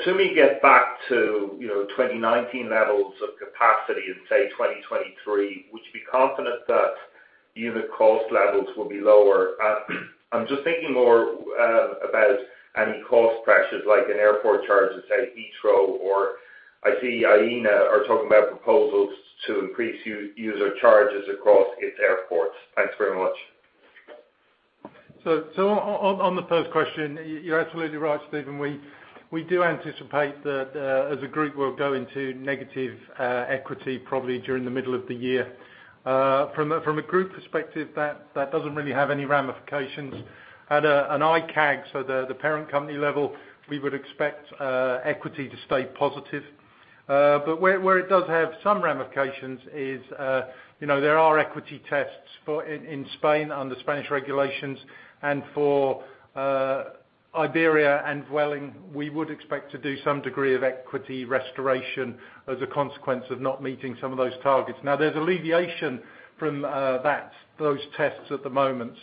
Speaker 8: assuming you get back to 2019 levels of capacity in, say, 2023, would you be confident that unit cost levels will be lower? I'm just thinking more about any cost pressures, like an airport charge at, say, Heathrow, or I see Aena are talking about proposals to increase user charges across its airports. Thanks very much.
Speaker 2: On the first question, you're absolutely right, Stephen. We do anticipate that as a group, we'll go into negative equity probably during the middle of the year. From a group perspective, that doesn't really have any ramifications. At an IAG, so the parent company level, we would expect equity to stay positive. Where it does have some ramifications is there are equity tests in Spain under Spanish regulations, and for Iberia and Vueling, we would expect to do some degree of equity restoration as a consequence of not meeting some of those targets. There's alleviation from those tests at the moment.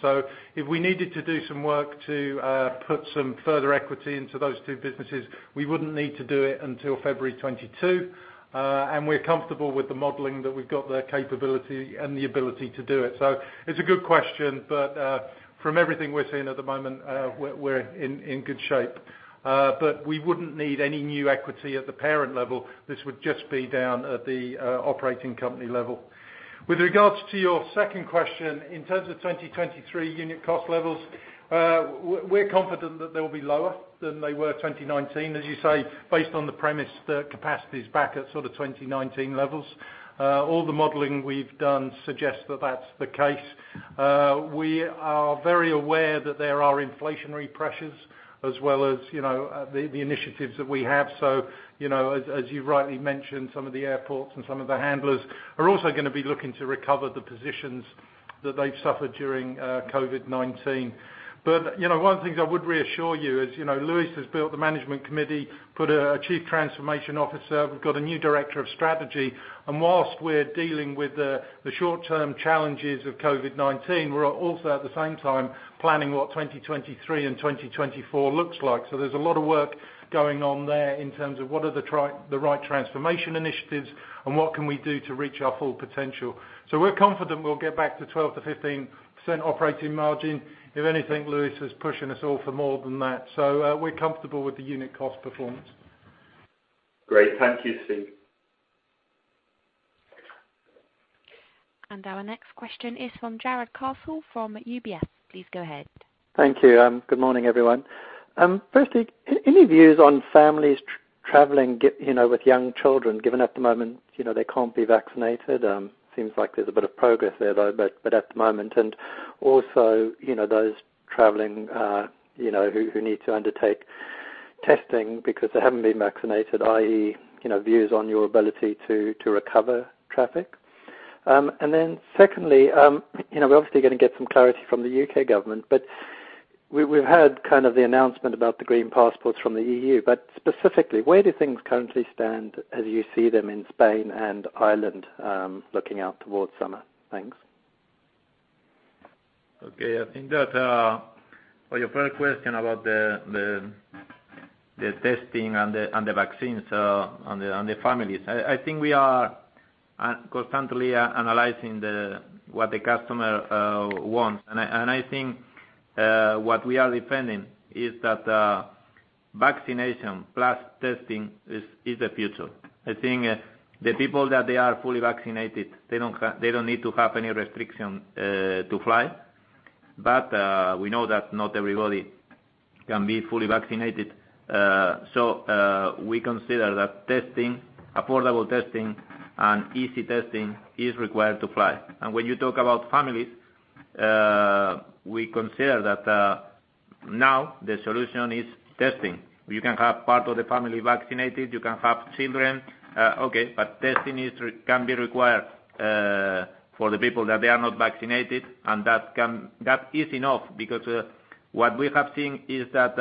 Speaker 2: If we needed to do some work to put some further equity into those two businesses, we wouldn't need to do it until February 2022. We're comfortable with the modeling that we've got the capability and the ability to do it. It's a good question. From everything we're seeing at the moment, we're in good shape. We wouldn't need any new equity at the parent level. This would just be down at the operating company level. With regards to your second question, in terms of 2023 unit cost levels, we're confident that they will be lower than they were 2019. As you say, based on the premise that capacity is back at sort of 2019 levels. All the modeling we've done suggests that that's the case. We are very aware that there are inflationary pressures as well as the initiatives that we have. As you rightly mentioned, some of the airports and some of the handlers are also going to be looking to recover the positions that they've suffered during COVID-19. One of the things I would reassure you is, Luis has built the management committee, put a Chief Transformation Officer, we've got a new Director of Strategy. Whilst we're dealing with the short-term challenges of COVID-19, we're also at the same time planning what 2023 and 2024 looks like. There's a lot of work going on there in terms of what are the right transformation initiatives and what can we do to reach our full potential. We're confident we'll get back to 12%-15% operating margin. If anything, Luis is pushing us all for more than that. We're comfortable with the unit cost performance.
Speaker 8: Great. Thank you, Steve.
Speaker 3: Our next question is from Jarrod Castle from UBS. Please go ahead.
Speaker 9: Thank you. Good morning, everyone. Firstly, any views on families traveling with young children, given at the moment they can't be vaccinated? Seems like there's a bit of progress there, though, but at the moment. Also, those traveling who need to undertake testing because they haven't been vaccinated, i.e., views on your ability to recover traffic. Secondly, we're obviously going to get some clarity from the U.K. government. We've heard the announcement about the green passports from the EU. Specifically, where do things currently stand as you see them in Spain and Ireland looking out towards summer? Thanks.
Speaker 1: Okay. I think that for your first question about the testing and the vaccines on the families, I think we are constantly analyzing what the customer wants. I think what we are defending is that vaccination plus testing is the future. I think the people that they are fully vaccinated, they don't need to have any restriction to fly. We know that not everybody can be fully vaccinated. We consider that affordable testing and easy testing is required to fly. When you talk about families, we consider that now the solution is testing. You can have part of the family vaccinated, you can have children, okay, but testing can be required for the people that they are not vaccinated, and that is enough because what we have seen is that,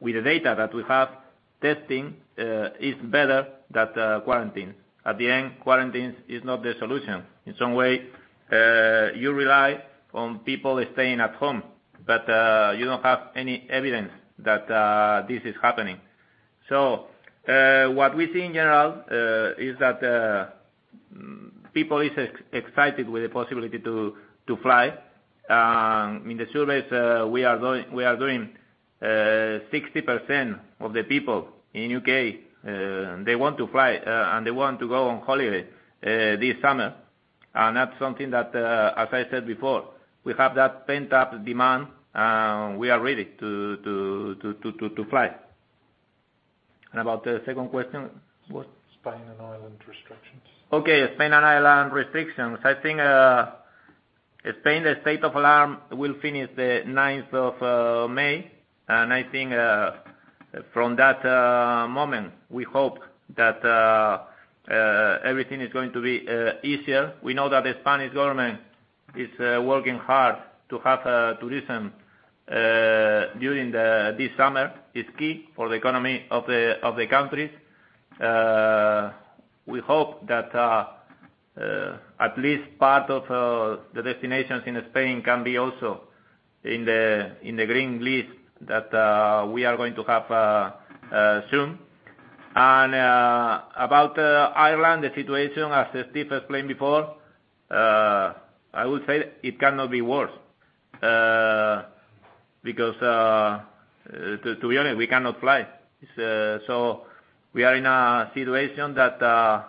Speaker 1: with the data that we have, testing is better than quarantine. At the end, quarantines is not the solution. In some way, you rely on people staying at home, but you don't have any evidence that this is happening. What we see in general is that people is excited with the possibility to fly. In the surveys we are doing, 60% of the people in U.K., they want to fly, and they want to go on holiday this summer. That's something that, as I said before, we have that pent-up demand, and we are ready to fly. About the second question was?
Speaker 2: Spain and Ireland restrictions.
Speaker 1: Okay. Spain and Ireland restrictions. Spain, the state of alarm will finish the May 9th. From that moment, we hope that everything is going to be easier. We know that the Spanish government is working hard to have tourism during this summer. It's key for the economy of the country. We hope that at least part of the destinations in Spain can be also in the green list that we are going to have soon. About Ireland, the situation, as Steve explained before, I would say it cannot be worse. To be honest, we cannot fly. We are in a situation that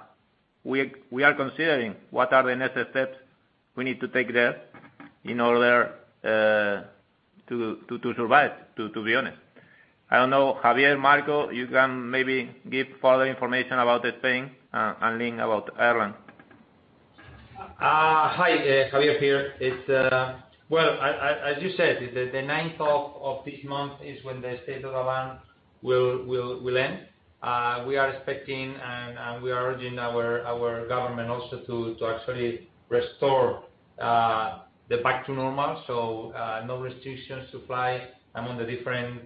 Speaker 1: we are considering what are the necessary steps we need to take there in order to survive, to be honest. I don't know, Javier, Marco, you can maybe give further information about Spain, and Lynne about Ireland.
Speaker 10: Hi, Javier here. As you said, the 9th of this month is when the state of alarm will end. We are expecting, and we are urging our government also to actually restore the back to normal. No restrictions to fly among the different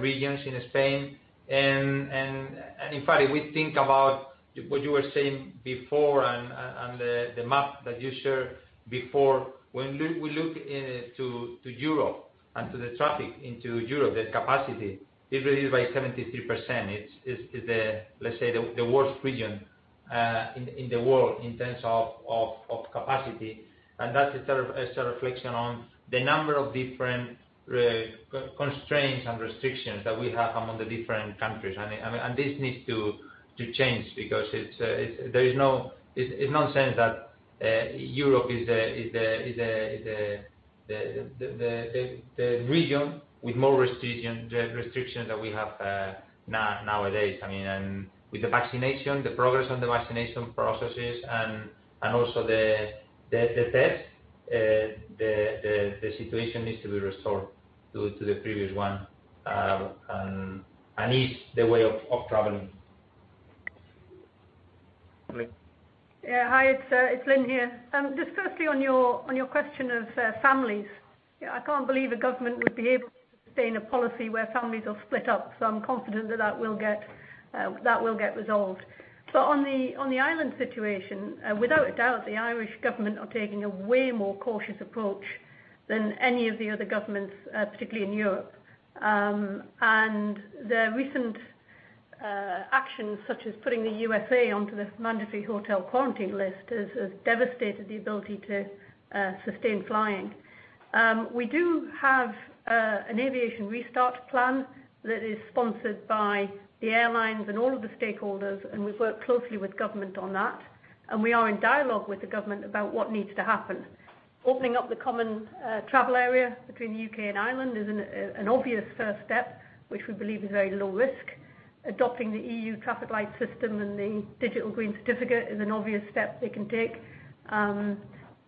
Speaker 10: regions in Spain. If we think about what you were saying before and the map that you shared before, when we look to Europe and to the traffic into Europe, the capacity is reduced by 73%. It's the, let's say, the worst region in the world in terms of capacity. That's a reflection on the number of different constraints and restrictions that we have among the different countries. This needs to change because it's nonsense that Europe is the region with more restrictions that we have nowadays. With the vaccination, the progress on the vaccination processes and also the tests, the situation needs to be restored to the previous one, and ease the way of traveling.
Speaker 1: Lynne.
Speaker 11: Hi, it's Lynne here. Firstly on your question of families, I can't believe the government would be able to sustain a policy where families are split up. I'm confident that that will get resolved. On the Ireland situation, without a doubt, the Irish government are taking a way more cautious approach than any of the other governments, particularly in Europe. Their recent actions, such as putting the USA onto the mandatory hotel quarantine list, has devastated the ability to sustain flying. We do have an aviation restart plan that is sponsored by the airlines and all of the stakeholders. We've worked closely with government on that. We are in dialogue with the government about what needs to happen. Opening up the common travel area between the U.K. and Ireland is an obvious first step, which we believe is very low risk. Adopting the EU traffic light system and the Digital Green Certificate is an obvious step they can take.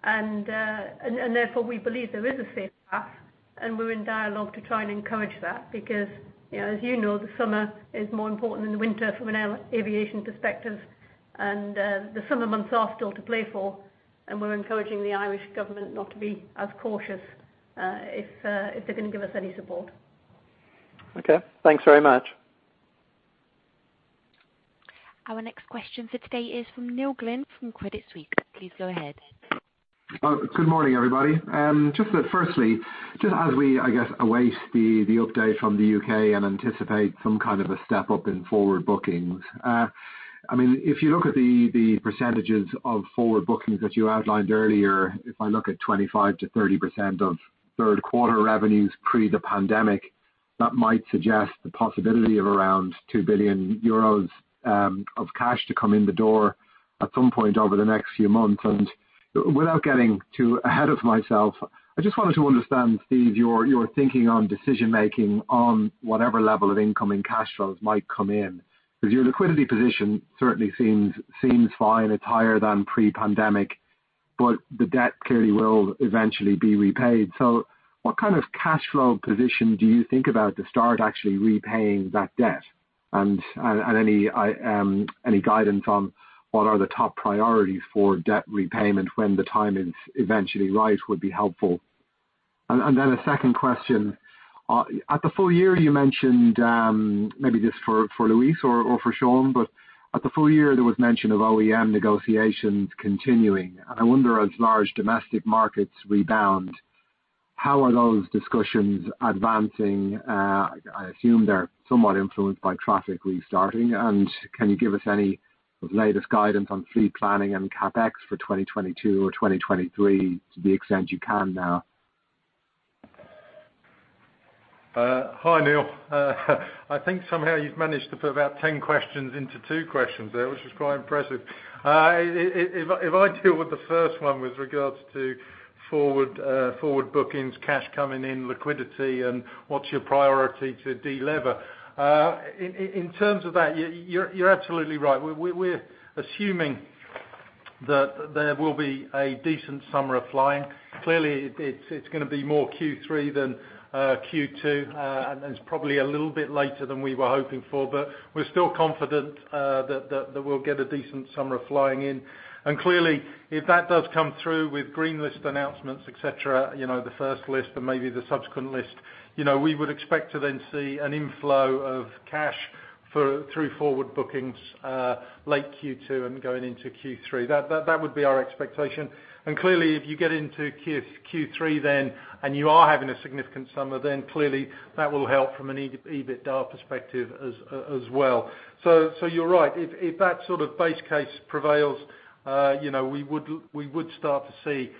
Speaker 11: Therefore, we believe there is a safe path, and we're in dialogue to try and encourage that because, as you know, the summer is more important than the winter from an aviation perspective. The summer months are still to play for, and we're encouraging the Irish government not to be as cautious, if they're going to give us any support.
Speaker 9: Okay. Thanks very much.
Speaker 3: Our next question for today is from Neil Glynn from Credit Suisse. Please go ahead.
Speaker 12: Good morning, everybody. Just that firstly, just as we, I guess, await the update from the U.K. and anticipate some kind of a step up in forward bookings. If you look at the percentages of forward bookings that you outlined earlier, if I look at 25%-30% of third quarter revenues pre the pandemic, that might suggest the possibility of around 2 billion euros of cash to come in the door at some point over the next few months. Without getting too ahead of myself, I just wanted to understand, Steve, your thinking on decision making on whatever level of incoming cash flows might come in. Your liquidity position certainly seems fine. It's higher than pre-pandemic, but the debt clearly will eventually be repaid. What kind of cash flow position do you think about to start actually repaying that debt? Any guidance on what are the top priorities for debt repayment when the time is eventually right would be helpful. A second question. At the full year, you mentioned, maybe this for Luis or for Sean, but at the full year, there was mention of OEM negotiations continuing. I wonder, as large domestic markets rebound, how are those discussions advancing? I assume they're somewhat influenced by traffic restarting. Can you give us any latest guidance on fleet planning and CapEx for 2022 or 2023, to the extent you can now?
Speaker 2: Hi, Neil. I think somehow you've managed to put about 10 questions into two questions there, which is quite impressive. If I deal with the first one with regards to forward bookings, cash coming in, liquidity, and what's your priority to delever. In terms of that, you're absolutely right. We're assuming that there will be a decent summer of flying. Clearly, it's going to be more Q3 than Q2, and it's probably a little bit later than we were hoping for, but we're still confident that we'll get a decent summer of flying in. Clearly, if that does come through with green list announcements, et cetera, the first list and maybe the subsequent list, we would expect to then see an inflow of cash through forward bookings late Q2 and going into Q3. That would be our expectation. Clearly, if you get into Q3 then, and you are having a significant summer, then clearly that will help from an EBITDA perspective as well. You're right. If that sort of base case prevails, we would start to see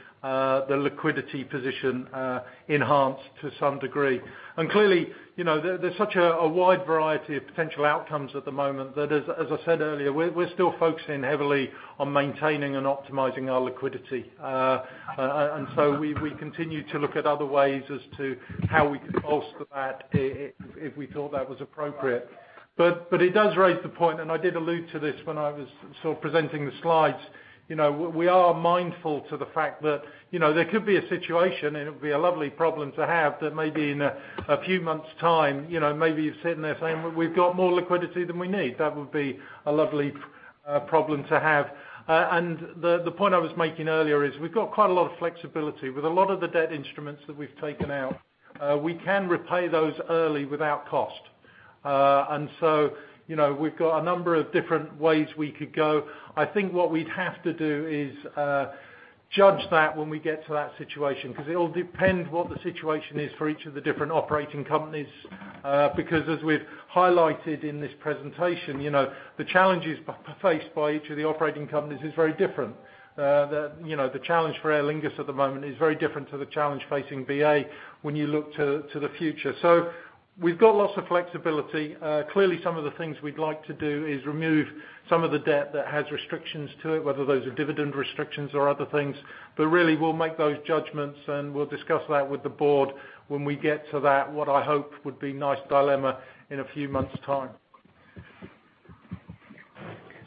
Speaker 2: the liquidity position enhanced to some degree. Clearly, there's such a wide variety of potential outcomes at the moment that, as I said earlier, we're still focusing heavily on maintaining and optimizing our liquidity. We continue to look at other ways as to how we could bolster that if we thought that was appropriate. It does raise the point, and I did allude to this when I was presenting the slides. We are mindful to the fact that there could be a situation, and it would be a lovely problem to have, that maybe in a few months' time, maybe you're sitting there saying, "Well, we've got more liquidity than we need." That would be a lovely problem to have. The point I was making earlier is we've got quite a lot of flexibility. With a lot of the debt instruments that we've taken out, we can repay those early without cost. We've got a number of different ways we could go. I think what we'd have to do is judge that when we get to that situation, because it'll depend what the situation is for each of the different operating companies. As we've highlighted in this presentation, the challenges faced by each of the operating companies is very different. The challenge for Aer Lingus at the moment is very different to the challenge facing BA when you look to the future. We've got lots of flexibility. Clearly, some of the things we'd like to do is remove some of the debt that has restrictions to it, whether those are dividend restrictions or other things. Really, we'll make those judgments, and we'll discuss that with the board when we get to that, what I hope would be nice dilemma in a few months' time.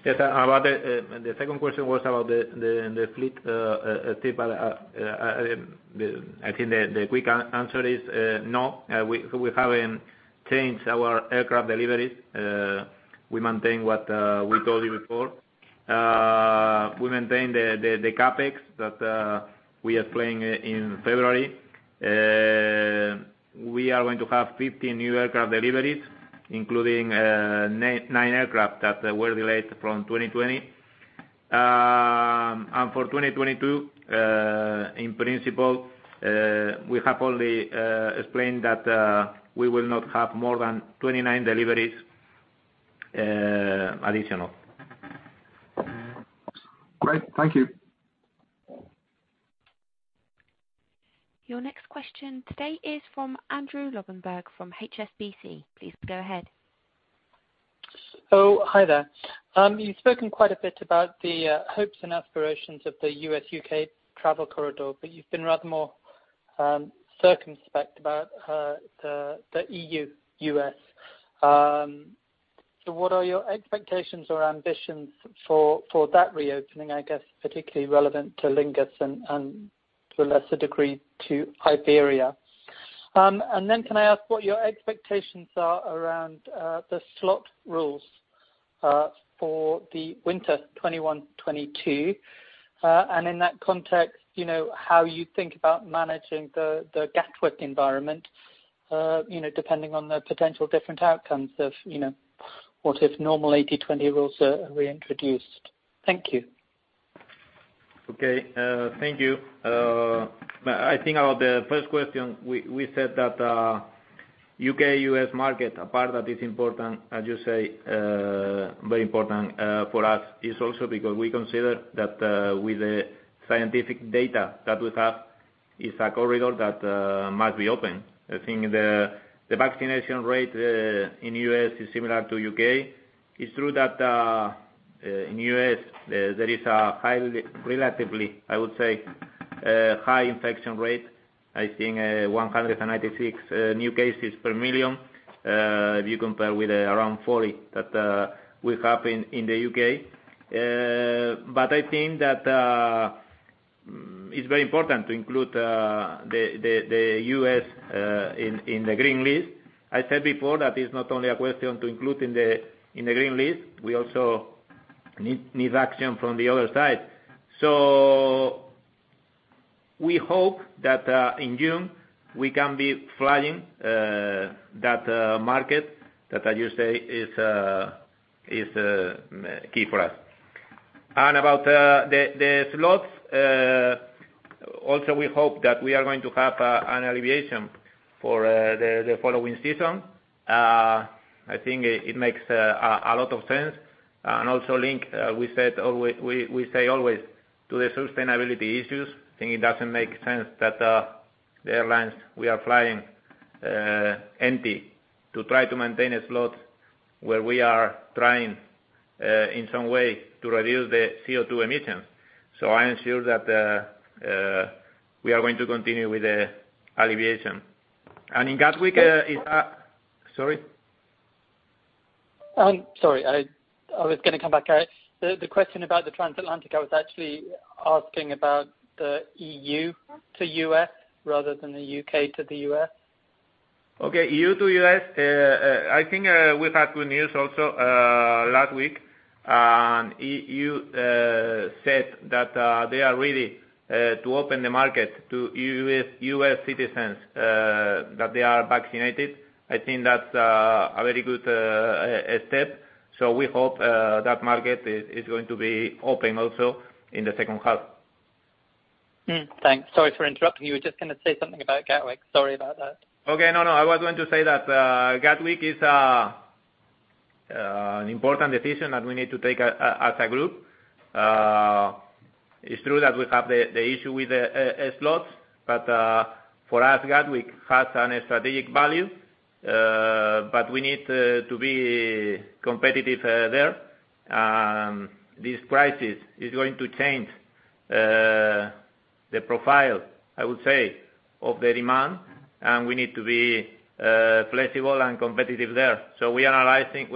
Speaker 1: Yes. The second question was about the fleet. I think the quick answer is no. We haven't changed our aircraft deliveries. We maintain what we told you before. We maintain the CapEx that we explained in February. We are going to have 15 new aircraft deliveries, including nine aircraft that were delayed from 2020. For 2022, in principle, we have only explained that we will not have more than 29 deliveries additional.
Speaker 12: Great. Thank you.
Speaker 3: Your next question today is from Andrew Lobbenberg, from HSBC. Please go ahead.
Speaker 13: Oh, hi there. You've spoken quite a bit about the hopes and aspirations of the U.S.-U.K. travel corridor, but you've been rather more circumspect about the EU-U.S. What are your expectations or ambitions for that reopening, I guess, particularly relevant to Aer Lingus and to a lesser degree, to Iberia? Can I ask what your expectations are around the slot rules for the winter 2021, 2022? In that context, how you think about managing the Gatwick environment depending on the potential different outcomes of what if normal 80/20 rules are reintroduced. Thank you.
Speaker 1: Okay. Thank you. I think about the first question, we said that U.K., U.S. market, a part that is important, as you say, very important for us is also because we consider that with the scientific data that we have, it's a corridor that must be open. I think the vaccination rate in U.S. is similar to U.K. It's true that, in U.S., there is a relatively, I would say, high infection rate. I think 196 new cases per million, if you compare with around 40 that we have in the U.K. I think that it's very important to include the U.S. in the green list. I said before, that is not only a question to include in the green list, we also need action from the other side. We hope that in June, we can be flying that market that, as you say, is key for us. About the slots, also, we hope that we are going to have an alleviation for the following season. I think it makes a lot of sense. Also link, we say always to the sustainability issues. I think it doesn't make sense that the airlines, we are flying empty to try to maintain a slot where we are trying, in some way, to reduce the CO2 emission. I am sure that we are going to continue with the alleviation. In Gatwick Sorry?
Speaker 13: Sorry. I was going to come back. The question about the transatlantic, I was actually asking about the EU to U.S. rather than the U.K. to the U.S.
Speaker 1: Okay. EU to U.S. I think we've had good news also last week, and EU said that they are ready to open the market to U.S. citizens that they are vaccinated. I think that's a very good step. We hope that market is going to be open also in the second half.
Speaker 13: Thanks. Sorry for interrupting you. You were just going to say something about Gatwick. Sorry about that.
Speaker 1: Okay. No, I was going to say that Gatwick is an important decision that we need to take as a group. It's true that we have the issue with the slots, but for us, Gatwick has a strategic value. We need to be competitive there. This crisis is going to change the profile, I would say, of the demand, and we need to be flexible and competitive there. We're analyzing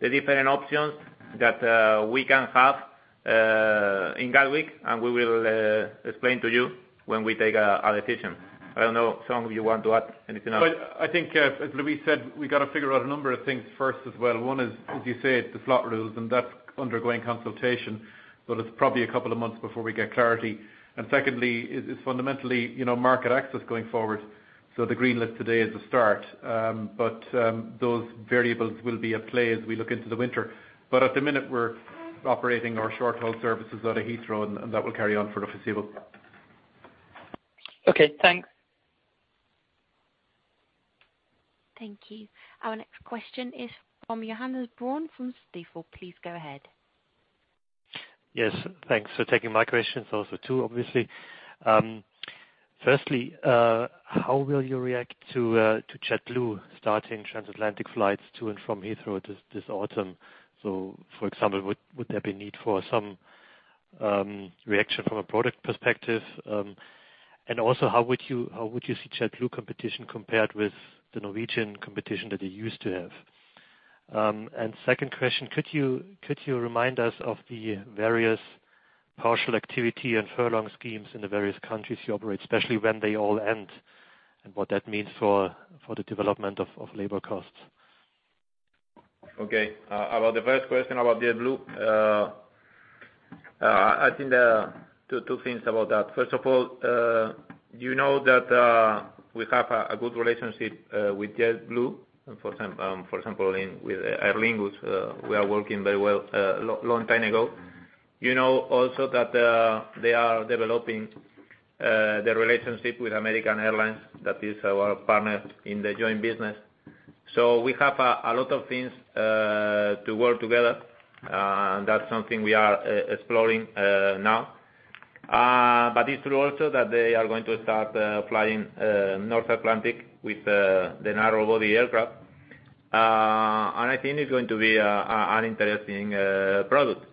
Speaker 1: the different options that we can have in Gatwick, and we will explain to you when we take a decision. I don't know, Sean, if you want to add anything else.
Speaker 5: Well, I think, as Luis said, we got to figure out a number of things first as well. One is, as you say, the slot rules. That's undergoing consultation, it's probably a couple of months before we get clarity. Secondly, it's fundamentally market access going forward. The green list today is a start. Those variables will be at play as we look into the winter. At the minute, we're operating our short-haul services out of Heathrow. That will carry on for the foreseeable.
Speaker 13: Okay, thanks.
Speaker 3: Thank you. Our next question is from Johannes Braun from Stifel. Please go ahead.
Speaker 14: Yes, thanks for taking my questions also too, obviously. How will you react to JetBlue starting transatlantic flights to and from Heathrow this autumn? For example, would there be need for some reaction from a product perspective? How would you see JetBlue competition compared with the Norwegian competition that you used to have? Second question, could you remind us of the various partial activity and furlough schemes in the various countries you operate, especially when they all end, and what that means for the development of labor costs?
Speaker 1: Okay. About the first question about JetBlue. I think there are two things about that. First of all, you know that we have a good relationship with JetBlue, for example, with Aer Lingus, we are working very well a long time ago. You know also that they are developing the relationship with American Airlines, that is our partner in the joint business. We have a lot of things to work together. That's something we are exploring now. It's true also that they are going to start flying North Atlantic with the narrow-body aircraft. I think it's going to be an interesting product.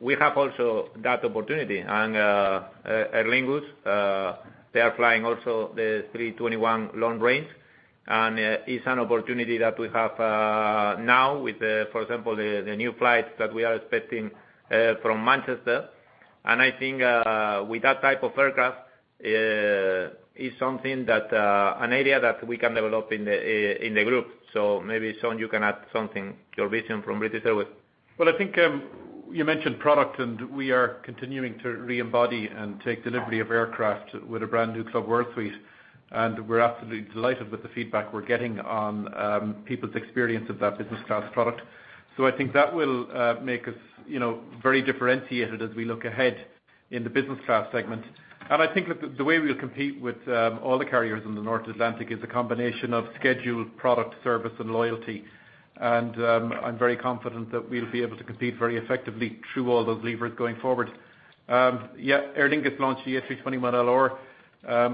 Speaker 1: We have also that opportunity, and Aer Lingus, they are flying also the A321LR. It's an opportunity that we have now with, for example, the new flights that we are expecting from Manchester. I think with that type of aircraft, is an area that we can develop in the group. Maybe, Sean, you can add something, your vision from British Airways.
Speaker 5: Well, I think you mentioned product, we are continuing to reembody and take delivery of aircraft with a brand new Club World Suite. We're absolutely delighted with the feedback we're getting on people's experience of that business class product. I think that will make us very differentiated as we look ahead in the business class segment. I think that the way we'll compete with all the carriers in the North Atlantic is a combination of schedule, product, service, and loyalty. I'm very confident that we'll be able to compete very effectively through all those levers going forward. Yeah, Aer Lingus launched the A321LR.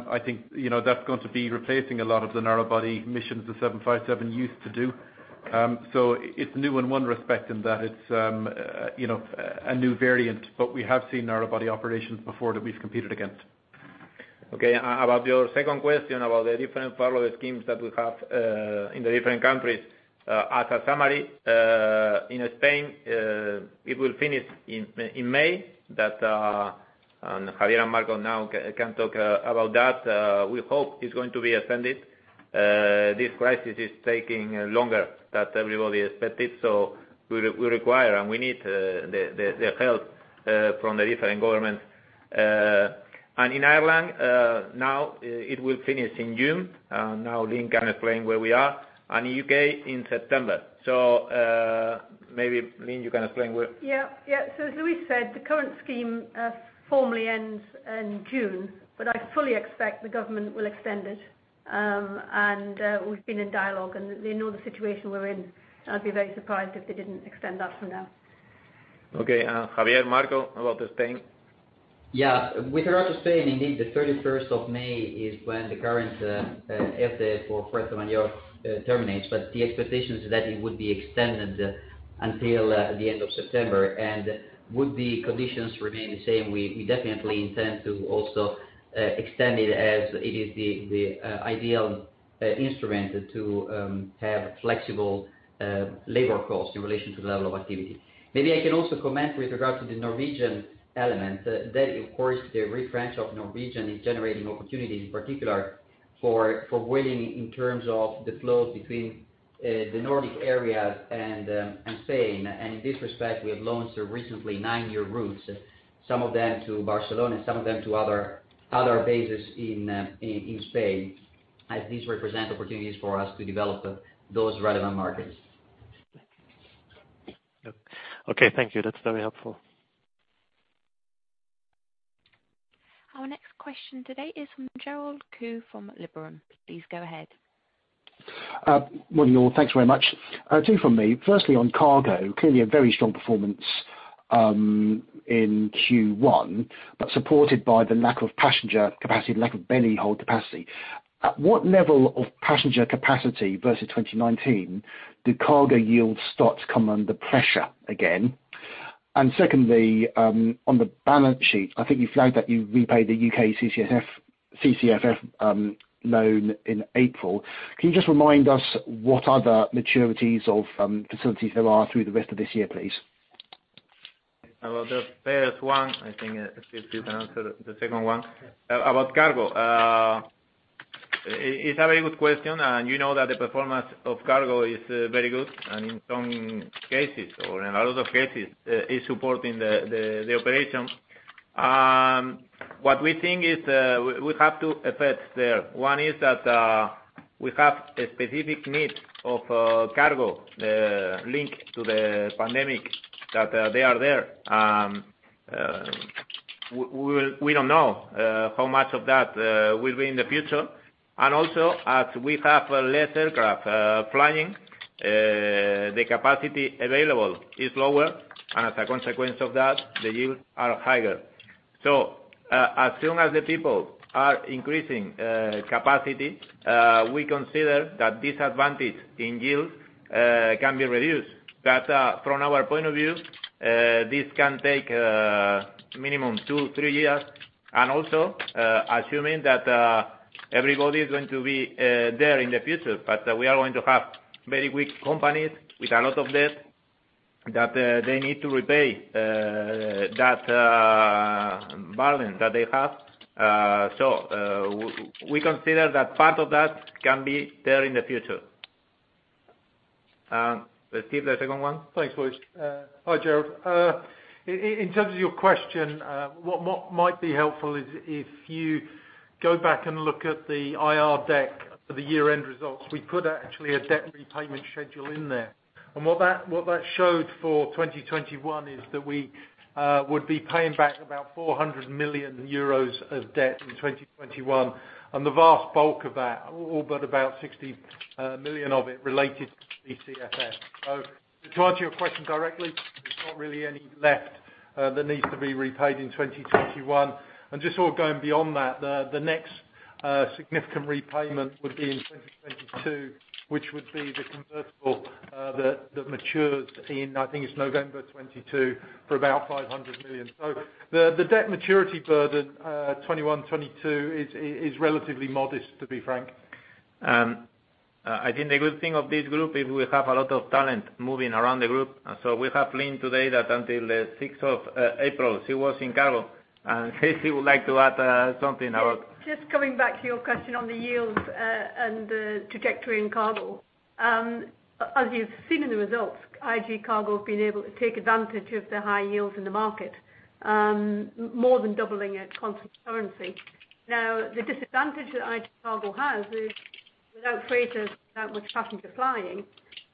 Speaker 5: I think that's going to be replacing a lot of the narrow body missions the 757 used to do. It's new in one respect in that it's a new variant, but we have seen narrow body operations before that we've competed against.
Speaker 1: Okay. About your second question about the different furlough schemes that we have in the different countries. As a summary, in Spain, it will finish in May. Javier and Marco now can talk about that. We hope it's going to be extended. This crisis is taking longer than everybody expected, so we require, and we need the help from the different governments. In Ireland, now it will finish in June. Now Lynne can explain where we are. U.K. in September. Maybe Lynne, you can explain where.
Speaker 11: Yeah. As Luis said, the current scheme formally ends in June, but I fully expect the government will extend it. We've been in dialogue, and they know the situation we're in. I'd be very surprised if they didn't extend that from now.
Speaker 1: Okay. Javier, Marco, how about Spain?
Speaker 15: With regard to Spain, indeed, the May 31st is when the current ERTE for fuerza mayor terminates. The expectation is that it would be extended until the end of September. Would the conditions remain the same, we definitely intend to also extend it as it is the ideal instrument to have flexible labor costs in relation to the level of activity. Maybe I can also comment with regard to the Norwegian element. Of course, the retrenchment of Norwegian is generating opportunities in particular for Vueling in terms of the flows between the Nordic areas and Spain. In this respect, we have launched recently nine-year routes, some of them to Barcelona, some of them to other bases in Spain, as these represent opportunities for us to develop those relevant markets.
Speaker 14: Okay. Thank you. That's very helpful.
Speaker 3: Our next question today is from Gerald Khoo from Liberum. Please go ahead.
Speaker 16: Morning, all. Thanks very much. Two from me. Firstly, on cargo, clearly a very strong performance in Q1, but supported by the lack of passenger capacity, lack of belly hold capacity. At what level of passenger capacity versus 2019 did cargo yield starts come under pressure again? Secondly, on the balance sheet, I think you flagged that you repaid the U.K. CCFF loan in April. Can you just remind us what other maturities of facilities there are through the rest of this year, please?
Speaker 1: About the first one, I think, Steve, you can answer the second one. About cargo. It's a very good question, and you know that the performance of cargo is very good, and in some cases, or in a lot of cases, is supporting the operations. What we think is, we have two effects there. One is that we have a specific need of cargo linked to the pandemic, that they are there. We don't know how much of that will be in the future. Also, as we have less aircraft flying, the capacity available is lower, and as a consequence of that, the yields are higher. As soon as the people are increasing capacity, we consider that this advantage in yields can be reduced. That, from our point of view, this can take minimum two, three years, and also assuming that everybody's going to be there in the future. We are going to have very weak companies with a lot of debt that they need to repay that balance that they have. We consider that part of that can be there in the future. Steve, the second one?
Speaker 2: Thanks, Luis. Hi, Gerald. In terms of your question, what might be helpful is if you go back and look at the IR deck for the year-end results. We put, actually, a debt repayment schedule in there. What that showed for 2021 is that we would be paying back about 400 million euros of debt in 2021, and the vast bulk of that, all but about 60 million of it related to the CCFF. To answer your question directly, there's not really any left that needs to be repaid in 2021. Just sort of going beyond that, the next significant repayment would be in 2022, which would be the convertible that matures in, I think it's November 2022, for about 500 million. The debt maturity burden 2021, 2022 is relatively modest, to be frank.
Speaker 1: I think the good thing of this group is we have a lot of talent moving around the group. We have Lynne today, that until the April 6th, she was in cargo. If she would like to add something about.
Speaker 11: Just coming back to your question on the yields and the trajectory in cargo. As you've seen in the results, IAG Cargo has been able to take advantage of the high yields in the market, more than doubling at constant currency. The disadvantage that IAG Cargo has is Without freighters, without much passenger flying.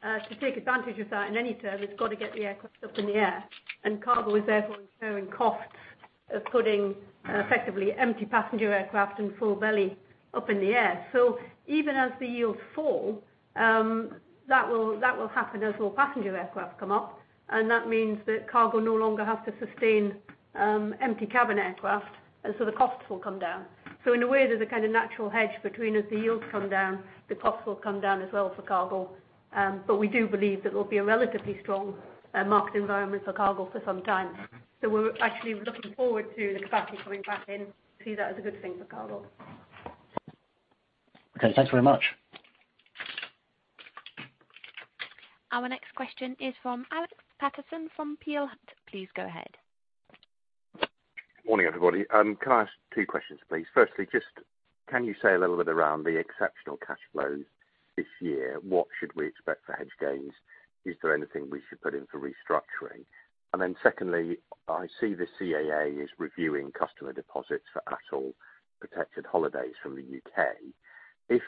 Speaker 11: To take advantage of that in any term, it's got to get the aircraft up in the air, and cargo is therefore incurring costs of putting effectively empty passenger aircraft and full belly up in the air. Even as the yields fall, that will happen as more passenger aircraft come up, and that means that cargo no longer have to sustain empty cabin aircraft, and so the costs will come down. In a way, there's a kind of natural hedge between as the yields come down, the costs will come down as well for cargo. We do believe that it will be a relatively strong market environment for cargo for some time. We're actually looking forward to the capacity coming back in. We see that as a good thing for cargo.
Speaker 16: Okay. Thanks very much.
Speaker 3: Our next question is from Alex Paterson from Peel Hunt. Please go ahead.
Speaker 17: Morning, everybody. Can I ask two questions, please? Firstly, just can you say a little bit around the exceptional cash flows this year, what should we expect for hedge gains? Is there anything we should put in for restructuring? Secondly, I see the CAA is reviewing customer deposits for ATOL protected holidays from the U.K. If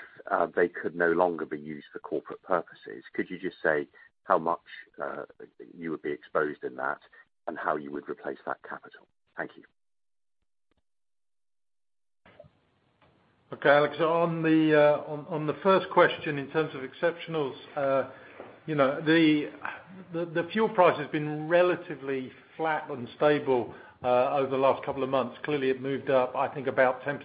Speaker 17: they could no longer be used for corporate purposes, could you just say how much you would be exposed in that and how you would replace that capital? Thank you.
Speaker 2: Okay. Alex, on the first question in terms of exceptionals, the fuel price has been relatively flat and stable over the last couple of months. Clearly, it moved up, I think about 10%.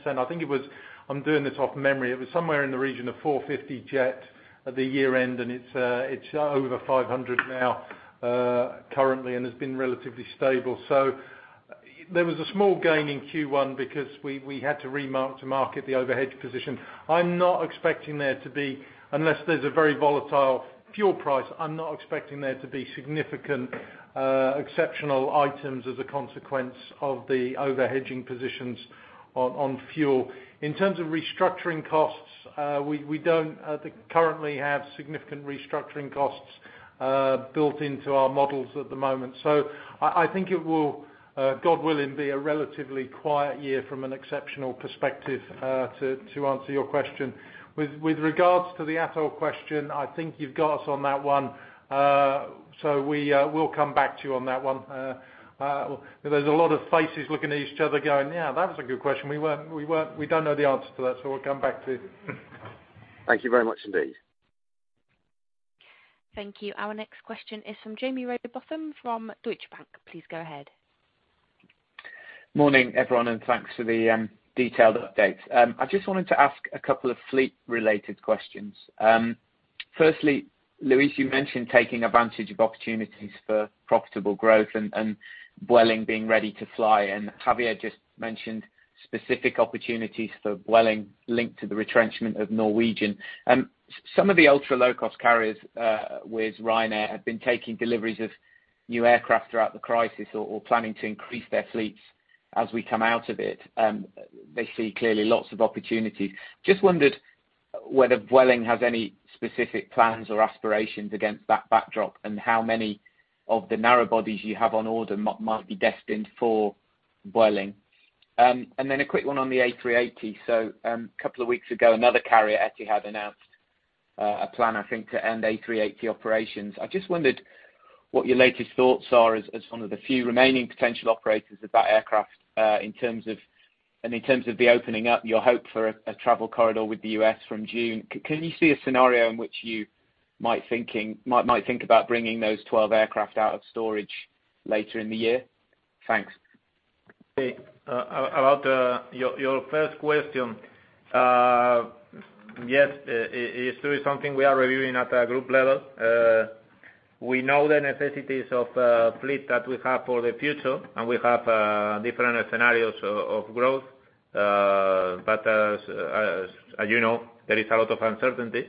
Speaker 2: I'm doing this off memory. It was somewhere in the region of 450 jet at the year-end, and it's over 500 now currently and has been relatively stable. There was a small gain in Q1 because we had to re-market the overage position. I'm not expecting there to be, unless there's a very volatile fuel price, I'm not expecting there to be significant exceptional items as a consequence of the over-hedging positions on fuel. In terms of restructuring costs, we don't currently have significant restructuring costs built into our models at the moment. I think it will, God willing, be a relatively quiet year from an exceptional perspective to answer your question. With regards to the ATOL question, I think you've got us on that one, so we'll come back to you on that one. There's a lot of faces looking at each other going, "Yeah, that was a good question." We don't know the answer to that, so we'll come back to you.
Speaker 17: Thank you very much indeed.
Speaker 3: Thank you. Our next question is from Jaime Rowbotham from Deutsche Bank. Please go ahead.
Speaker 18: Morning, everyone, and thanks for the detailed update. I just wanted to ask a couple of fleet-related questions. Firstly, Luis, you mentioned taking advantage of opportunities for profitable growth and Vueling being ready to fly, and Javier just mentioned specific opportunities for Vueling linked to the retrenchment of Norwegian. Some of the ultra-low-cost carriers with Ryanair have been taking deliveries of new aircraft throughout the crisis or planning to increase their fleets as we come out of it. They see clearly lots of opportunities. Just wondered whether Vueling has any specific plans or aspirations against that backdrop and how many of the narrow bodies you have on order might be destined for Vueling. Then a quick one on the A380. A couple of weeks ago, another carrier actually had announced a plan, I think, to end A380 operations. I just wondered what your latest thoughts are as one of the few remaining potential operators of that aircraft and in terms of the opening up your hope for a travel corridor with the U.S. from June. Can you see a scenario in which you might think about bringing those 12 aircraft out of storage later in the year? Thanks.
Speaker 1: About your first question. Yes, it is something we are reviewing at a group level. We know the necessities of fleet that we have for the future. We have different scenarios of growth. As you know, there is a lot of uncertainty.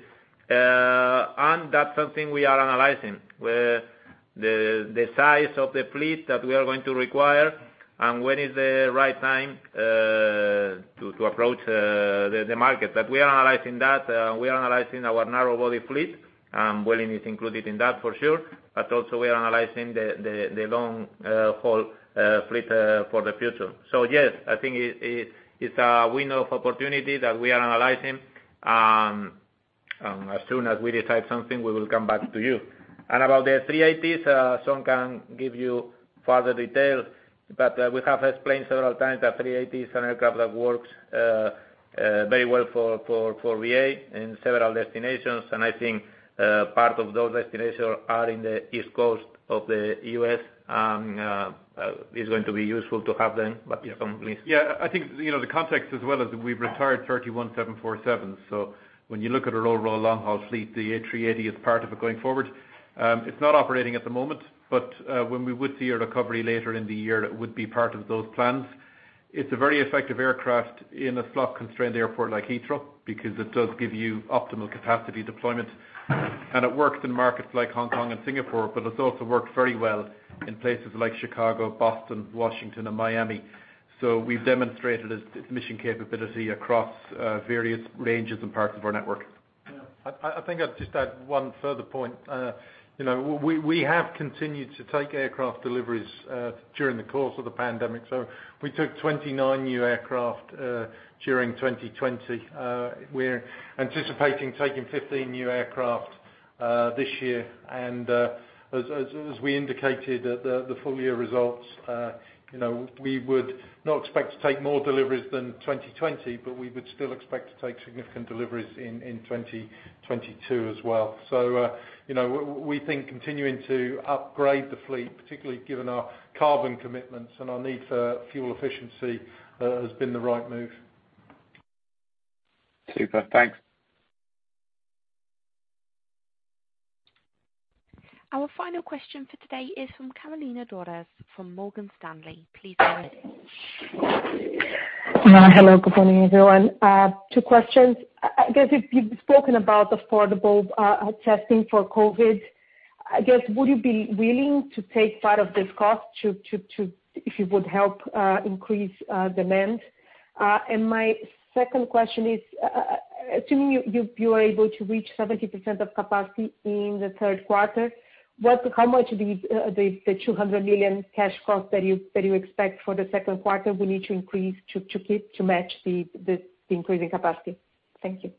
Speaker 1: That's something we are analyzing, the size of the fleet that we are going to require and when is the right time to approach the market. We are analyzing that. We are analyzing our narrow-body fleet, and Vueling is included in that for sure. Also we are analyzing the long-haul fleet for the future. Yes, I think it's a window of opportunity that we are analyzing. As soon as we decide something, we will come back to you. About the A380s, Sean Doyle can give you further details. We have explained several times that A380 is an aircraft that works very well for BA in several destinations, and I think part of those destinations are in the East Coast of the U.S., and it is going to be useful to have them. Sean, please.
Speaker 5: Yeah, I think the context as well is that we've retired 31 747s. When you look at our overall long-haul fleet, the A380 is part of it going forward. It's not operating at the moment, but when we would see a recovery later in the year, that would be part of those plans. It's a very effective aircraft in a slot-constrained airport like Heathrow because it does give you optimal capacity deployment, and it works in markets like Hong Kong and Singapore, but it's also worked very well in places like Chicago, Boston, Washington, and Miami. We've demonstrated its mission capability across various ranges and parts of our network.
Speaker 2: I think I'd just add one further point. We have continued to take aircraft deliveries during the course of the pandemic. We took 29 new aircraft during 2020. We're anticipating taking 15 new aircraft this year. As we indicated at the full year results, we would not expect to take more deliveries than 2020, but we would still expect to take significant deliveries in 2022 as well. We think continuing to upgrade the fleet, particularly given our carbon commitments and our need for fuel efficiency, has been the right move.
Speaker 18: Super, thanks.
Speaker 3: Our final question for today is from Carolina Dores from Morgan Stanley. Please go ahead.
Speaker 19: Hello, good morning, everyone. Two questions. I guess if you've spoken about affordable testing for COVID, would you be willing to take part of this cost if it would help increase demand? My second question is, assuming you are able to reach 70% of capacity in the third quarter, how much of the $200 million cash cost that you expect for the second quarter will need to increase to match the increasing capacity? Thank you.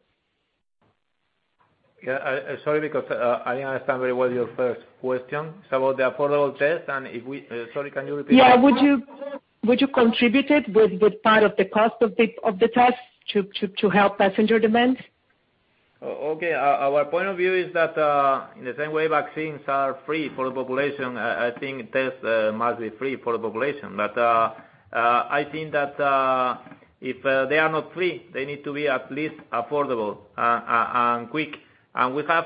Speaker 1: Yeah. Sorry, because I didn't understand very well your first question. It's about the affordable test. Sorry, can you repeat that?
Speaker 19: Yeah. Would you contribute with part of the cost of the test to help passenger demand?
Speaker 1: Our point of view is that, in the same way vaccines are free for the population, I think tests must be free for the population. I think that, if they are not free, they need to be at least affordable and quick. We have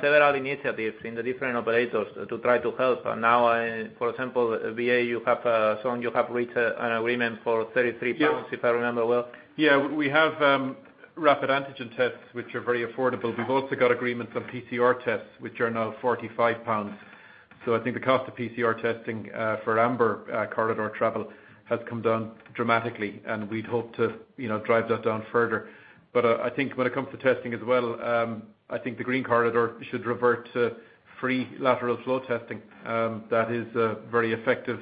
Speaker 1: several initiatives in the different operators to try to help. Now, for example, BA, you have reached an agreement for 33 pounds, if I remember well.
Speaker 5: Yeah, we have rapid antigen tests, which are very affordable. We've also got agreements on PCR tests, which are now 45 pounds. I think the cost of PCR testing for amber corridor travel has come down dramatically, and we'd hope to drive that down further. I think when it comes to testing as well, I think the green corridor should revert to free lateral flow testing. That is a very effective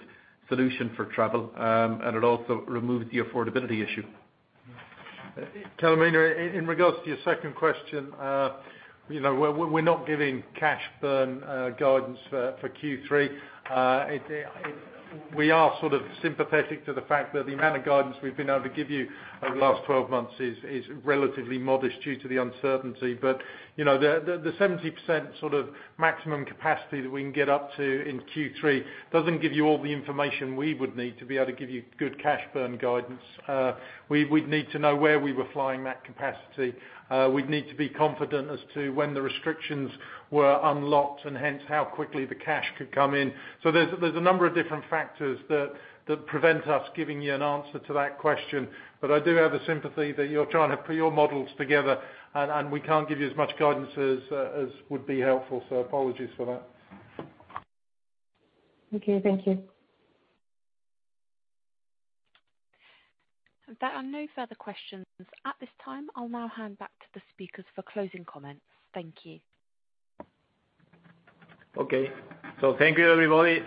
Speaker 5: solution for travel, and it also removes the affordability issue.
Speaker 2: Carolina, in regards to your second question, we're not giving cash burn guidance for Q3. We are sympathetic to the fact that the amount of guidance we've been able to give you over the last 12 months is relatively modest due to the uncertainty. The 70% maximum capacity that we can get up to in Q3 doesn't give you all the information we would need to be able to give you good cash burn guidance. We'd need to know where we were flying that capacity. We'd need to be confident as to when the restrictions were unlocked and hence how quickly the cash could come in. There's a number of different factors that prevent us giving you an answer to that question. I do have a sympathy that you're trying to put your models together, and we can't give you as much guidance as would be helpful. Apologies for that.
Speaker 19: Okay. Thank you.
Speaker 3: There are no further questions at this time. I'll now hand back to the speakers for closing comments. Thank you.
Speaker 1: Okay. Thank you, everybody,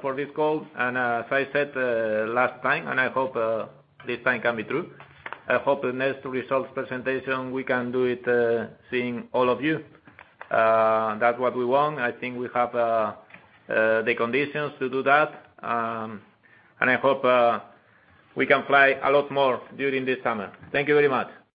Speaker 1: for this call. As I said last time, and I hope this time can be true, I hope the next results presentation, we can do it seeing all of you. That's what we want. I think we have the conditions to do that, and I hope we can fly a lot more during this summer. Thank you very much.